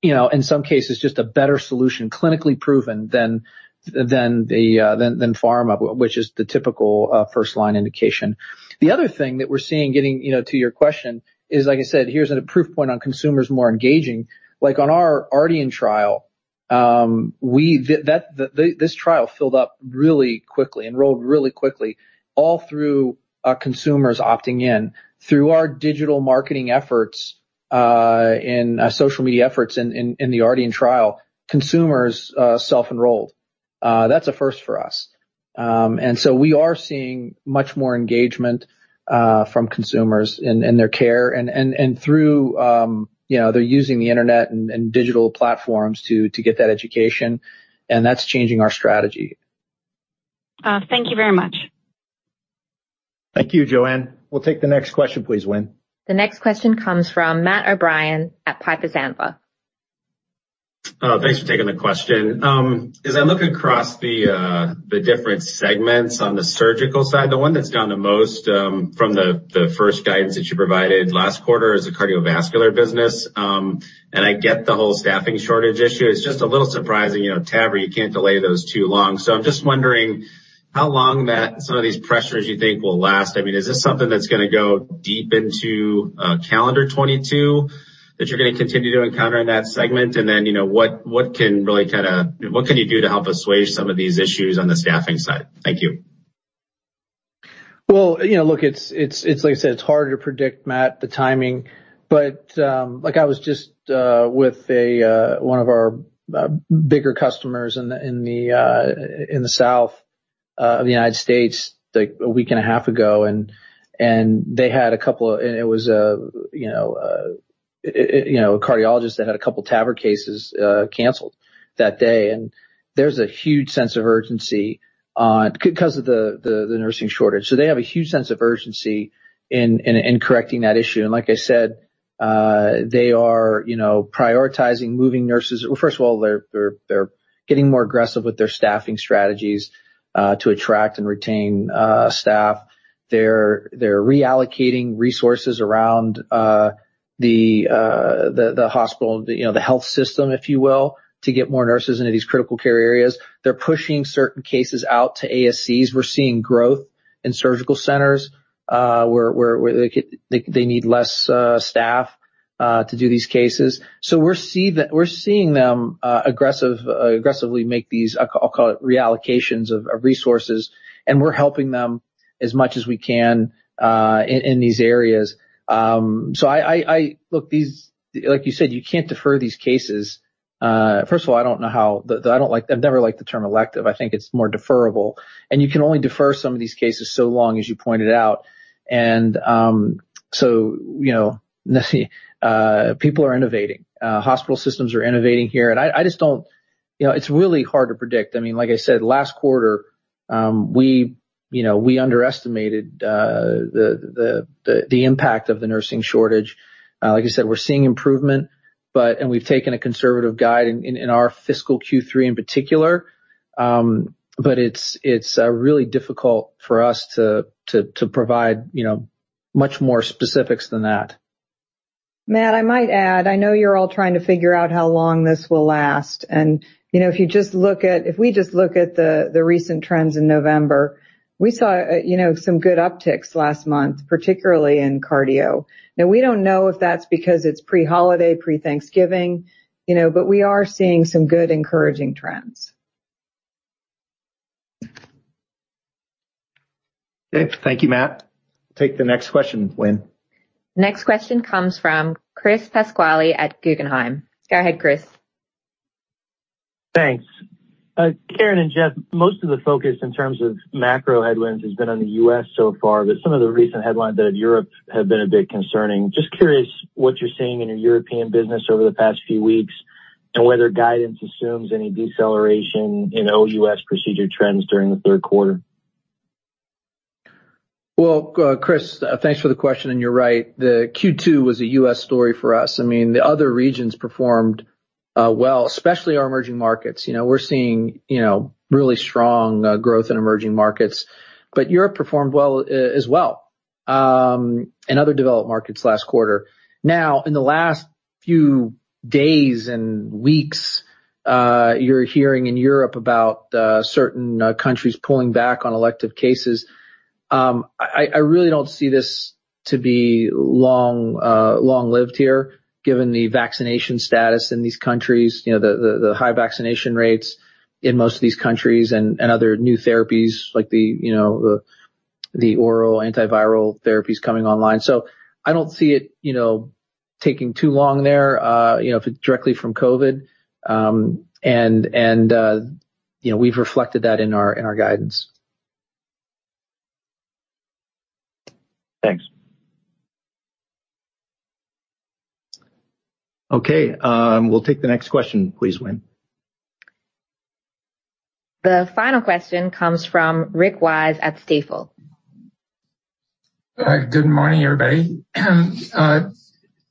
[SPEAKER 2] you know, in some cases, just a better solution, clinically proven than pharma, which is the typical first line indication. The other thing that we're seeing getting, you know, to your question is, like I said, here's a proof point on consumers more engaging. Like on our Ardian trial, this trial filled up really quickly, enrolled really quickly, all through our consumers opting in. Through our digital marketing efforts and our social media efforts in the Ardian trial, consumers self-enrolled. That's a first for us. We are seeing much more engagement from consumers in their care and through, you know, they're using the Internet and digital platforms to get that education, and that's changing our strategy.
[SPEAKER 12] Thank you very much.
[SPEAKER 1] Thank you, Joanne. We'll take the next question please, Wynn.
[SPEAKER 4] The next question comes from Matt O'Brien at Piper Sandler.
[SPEAKER 13] Thanks for taking the question. As I look across the different segments on the surgical side, the one that's down the most from the first guidance that you provided last quarter is the cardiovascular business. I get the whole staffing shortage issue. It's just a little surprising, you know, TAVR, you can't delay those too long. I'm just wondering how long that some of these pressures you think will last. I mean, is this something that's gonna go deep into calendar 2022, that you're gonna continue to encounter in that segment? You know, what can you do to help assuage some of these issues on the staffing side? Thank you.
[SPEAKER 2] Well, you know, look, it's like I said, it's hard to predict, Matt, the timing. Like I was just with one of our bigger customers in the South of the United States like a week and a half ago, and they had a couple. And it was a cardiologist that had a couple TAVR cases canceled that day. And there's a huge sense of urgency because of the nursing shortage. They have a huge sense of urgency in correcting that issue. And like I said, they are prioritizing moving nurses. Well, first of all, they're getting more aggressive with their staffing strategies to attract and retain staff. They're reallocating resources around the hospital, you know, the health system, if you will, to get more nurses into these critical care areas. They're pushing certain cases out to ASCs. We're seeing growth in surgical centers, where they need less staff to do these cases. We're seeing them aggressively make these, I call it reallocations of resources, and we're helping them as much as we can in these areas. Look, these, like you said, you can't defer these cases. First of all, I don't know how. I don't like, I've never liked the term elective. I think it's more deferrable. You can only defer some of these cases so long, as you pointed out. You know, people are innovating. Hospital systems are innovating here. I just don't, you know, it's really hard to predict. I mean, like I said, last quarter, we, you know, we underestimated the impact of the nursing shortage. Like I said, we're seeing improvement, but, and we've taken a conservative guidance in our fiscal Q3 in particular. It's really difficult for us to provide, you know, much more specifics than that.
[SPEAKER 3] Matt, I might add, I know you're all trying to figure out how long this will last. You know, if we just look at the recent trends in November, we saw, you know, some good upticks last month, particularly in cardio. Now, we don't know if that's because it's pre-holiday, pre-Thanksgiving, you know, but we are seeing some good encouraging trends.
[SPEAKER 1] Okay. Thank you, Matt. Take the next question, Wynn.
[SPEAKER 4] Next question comes from Chris Pasquale at Guggenheim. Go ahead, Chris.
[SPEAKER 14] Thanks. Karen and Geoff, most of the focus in terms of macro headwinds has been on the U.S. so far. Some of the recent headlines out of Europe have been a bit concerning. Just curious what you're seeing in your European business over the past few weeks, and whether guidance assumes any deceleration in OUS procedure trends during the third quarter.
[SPEAKER 2] Well, Chris, thanks for the question, and you're right. The Q2 was a U.S. story for us. I mean, the other regions performed well, especially our emerging markets. You know, we're seeing, you know, really strong growth in emerging markets. But Europe performed well, as well, and other developed markets last quarter. Now, in the last few days and weeks, you're hearing in Europe about certain countries pulling back on elective cases. I really don't see this to be long-lived here, given the vaccination status in these countries. You know, the high vaccination rates in most of these countries and other new therapies like the, you know, the oral antiviral therapies coming online. I don't see it, you know, taking too long there, you know, if it's directly from COVID, and you know, we've reflected that in our guidance.
[SPEAKER 14] Thanks.
[SPEAKER 7] Okay. We'll take the next question, please, Wynn.
[SPEAKER 4] The final question comes from Rick Wise at Stifel.
[SPEAKER 15] Good morning, everybody.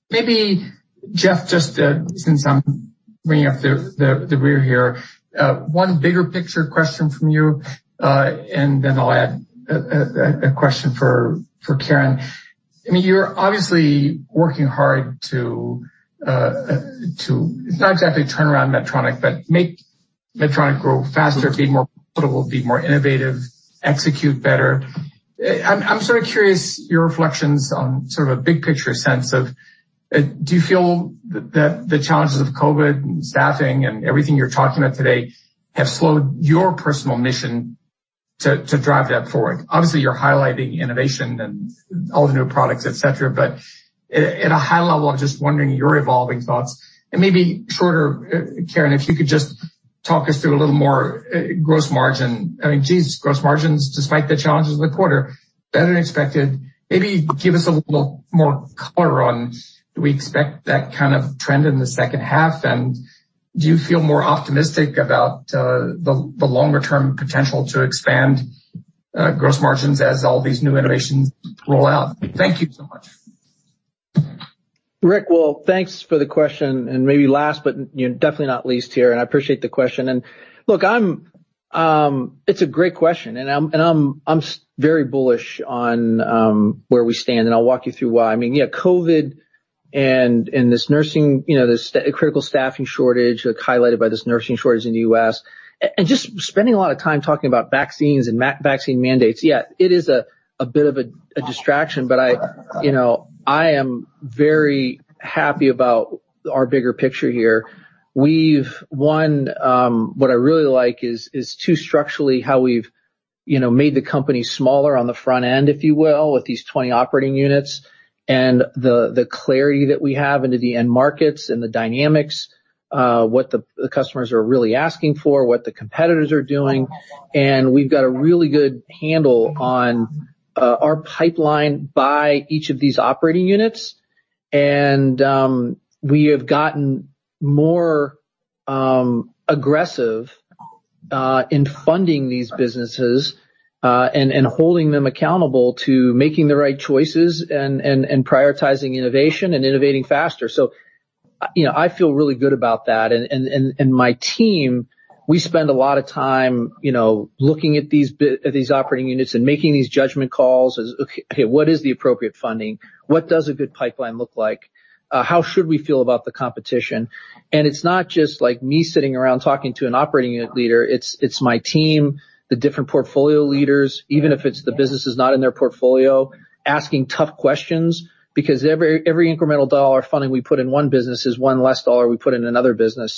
[SPEAKER 15] Maybe, Geoff, just since I'm ringing up the rear here, one bigger picture question from you, and then I'll add a question for Karen. I mean, you're obviously working hard. It's not exactly turnaround Medtronic, but make Medtronic grow faster, be more profitable, be more innovative, execute better. I'm sort of curious your reflections on sort of a big picture sense of, do you feel that the challenges of COVID and staffing and everything you're talking about today have slowed your personal mission to drive that forward? Obviously, you're highlighting innovation and all the new products, et cetera, but at a high level, I'm just wondering your evolving thoughts. Maybe shorter, Karen, if you could just talk us through a little more, gross margin. I mean, geez, gross margins, despite the challenges of the quarter, better than expected. Maybe give us a little more color on, do we expect that kind of trend in the second half? Do you feel more optimistic about the longer-term potential to expand gross margins as all these new innovations roll out? Thank you so much.
[SPEAKER 2] Rick, well, thanks for the question, and maybe last, but definitely not least here, and I appreciate the question. Look, I'm. It's a great question, and I'm very bullish on where we stand, and I'll walk you through why. I mean, yeah, COVID and this nursing, you know, this critical staffing shortage, like, highlighted by this nursing shortage in the U.S., and just spending a lot of time talking about vaccines and vaccine mandates. Yeah, it is a bit of a distraction, but you know, I am very happy about our bigger picture here. We've What I really like is structurally how we've, you know, made the company smaller on the front end, if you will, with these 20 operating units and the clarity that we have into the end markets and the dynamics, what the customers are really asking for, what the competitors are doing. We've got a really good handle on our pipeline by each of these operating units. We have gotten more aggressive in funding these businesses and prioritizing innovation and innovating faster. You know, I feel really good about that. My team, we spend a lot of time, you know, looking at these operating units and making these judgment calls. Okay, what is the appropriate funding? What does a good pipeline look like? How should we feel about the competition? It's not just like me sitting around talking to an operating unit leader. It's my team, the different portfolio leaders, even if it's the businesses not in their portfolio, asking tough questions because every incremental dollar of funding we put in one business is one less dollar we put in another business.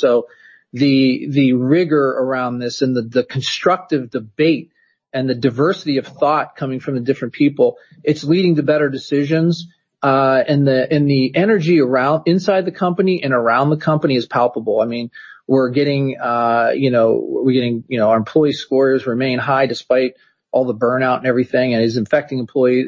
[SPEAKER 2] The rigor around this and the constructive debate and the diversity of thought coming from the different people, it's leading to better decisions. The energy around and inside the company and around the company is palpable. I mean, we're getting, you know, our employee scores remain high despite all the burnout and everything affecting employees.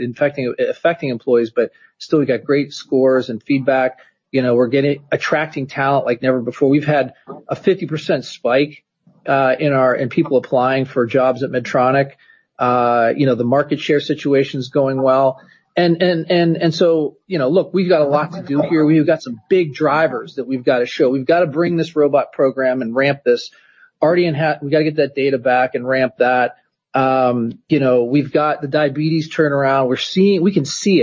[SPEAKER 2] Still we've got great scores and feedback. You know, we're attracting talent like never before. We've had a 50% spike in people applying for jobs at Medtronic. You know, the market share situation is going well. So, you know, look, we've got a lot to do here. We've got some big drivers that we've got to show. We've got to bring this robot program and ramp this. We gotta get that data back and ramp that. You know, we've got the diabetes turnaround. We're seeing it.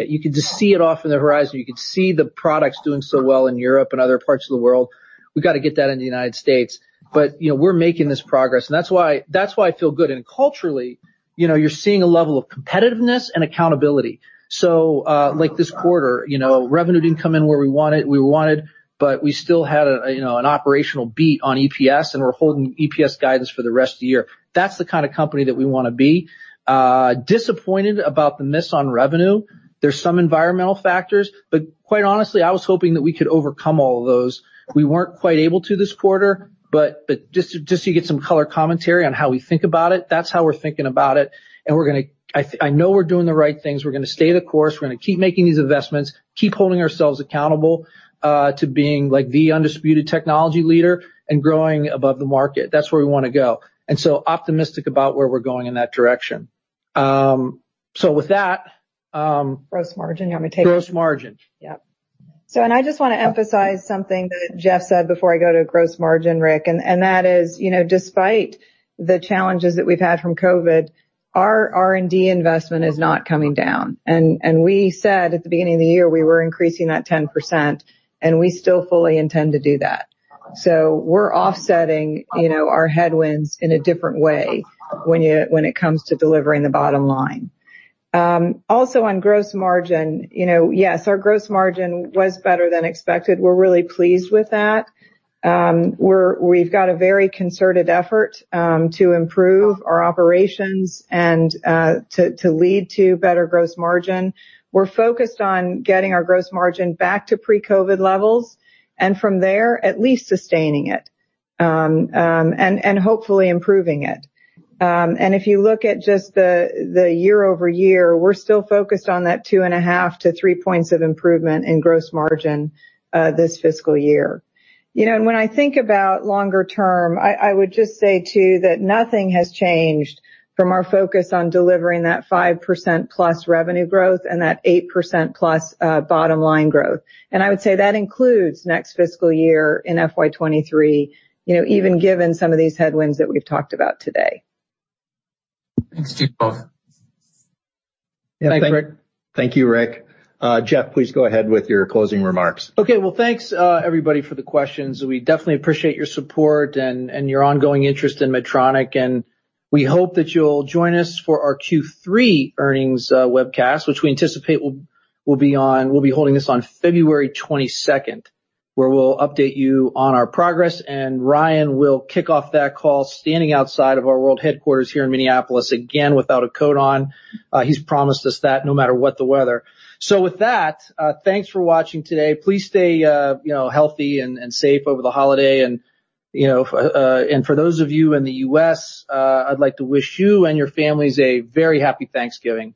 [SPEAKER 2] You can just see it off in the horizon. You can see the products doing so well in Europe and other parts of the world. We've got to get that in the United States. You know, we're making this progress, and that's why I feel good. Culturally, you know, you're seeing a level of competitiveness and accountability. Like this quarter, you know, revenue didn't come in where we want it, we wanted, but we still had, you know, an operational beat on EPS, and we're holding EPS guidance for the rest of the year. That's the kind of company that we wanna be. I'm disappointed about the miss on revenue. There are some environmental factors. But quite honestly, I was hoping that we could overcome all of those. We weren't quite able to this quarter, but just so you get some color commentary on how we think about it, that's how we're thinking about it. We're gonna stay the course. I know we're doing the right things. We're gonna keep making these investments, keep holding ourselves accountable to being, like, the undisputed technology leader and growing above the market. That's where we wanna go. Optimistic about where we're going in that direction. With that,
[SPEAKER 3] Gross margin. You want me to take?
[SPEAKER 2] Gross margin.
[SPEAKER 3] Yep. I just wanna emphasize something that Geoff said before I go to gross margin, Rick. That is, you know, despite the challenges that we've had from COVID, our R&D investment is not coming down. We said at the beginning of the year, we were increasing that 10%, and we still fully intend to do that. We're offsetting, you know, our headwinds in a different way when it comes to delivering the bottom line. Also on gross margin, you know, yes, our gross margin was better than expected. We're really pleased with that. We've got a very concerted effort to improve our operations and to lead to better gross margin. We're focused on getting our gross margin back to pre-COVID levels, and from there, at least sustaining it, and hopefully improving it. If you look at just the year-over-year, we're still focused on that 2.5-3 points of improvement in gross margin this fiscal year. You know, when I think about longer term, I would just say, too, that nothing has changed from our focus on delivering that 5%+ revenue growth and that 8%+ bottom line growth. I would say that includes next fiscal year in FY 2023, you know, even given some of these headwinds that we've talked about today.
[SPEAKER 15] Thanks to you both.
[SPEAKER 2] Yeah. Thanks, Rick.
[SPEAKER 1] Thank you, Rick. Geoff, please go ahead with your closing remarks.
[SPEAKER 2] Okay. Well, thanks, everybody for the questions. We definitely appreciate your support and your ongoing interest in Medtronic. We hope that you'll join us for our Q3 earnings webcast, which we anticipate will be. We'll be holding this on February 22, where we'll update you on our progress. Ryan will kick off that call standing outside of our world headquarters here in Minneapolis, again without a coat on, he's promised us that no matter what the weather. With that, thanks for watching today. Please stay, you know, healthy and safe over the holiday. You know, and for those of you in the U.S., I'd like to wish you and your families a very happy Thanksgiving.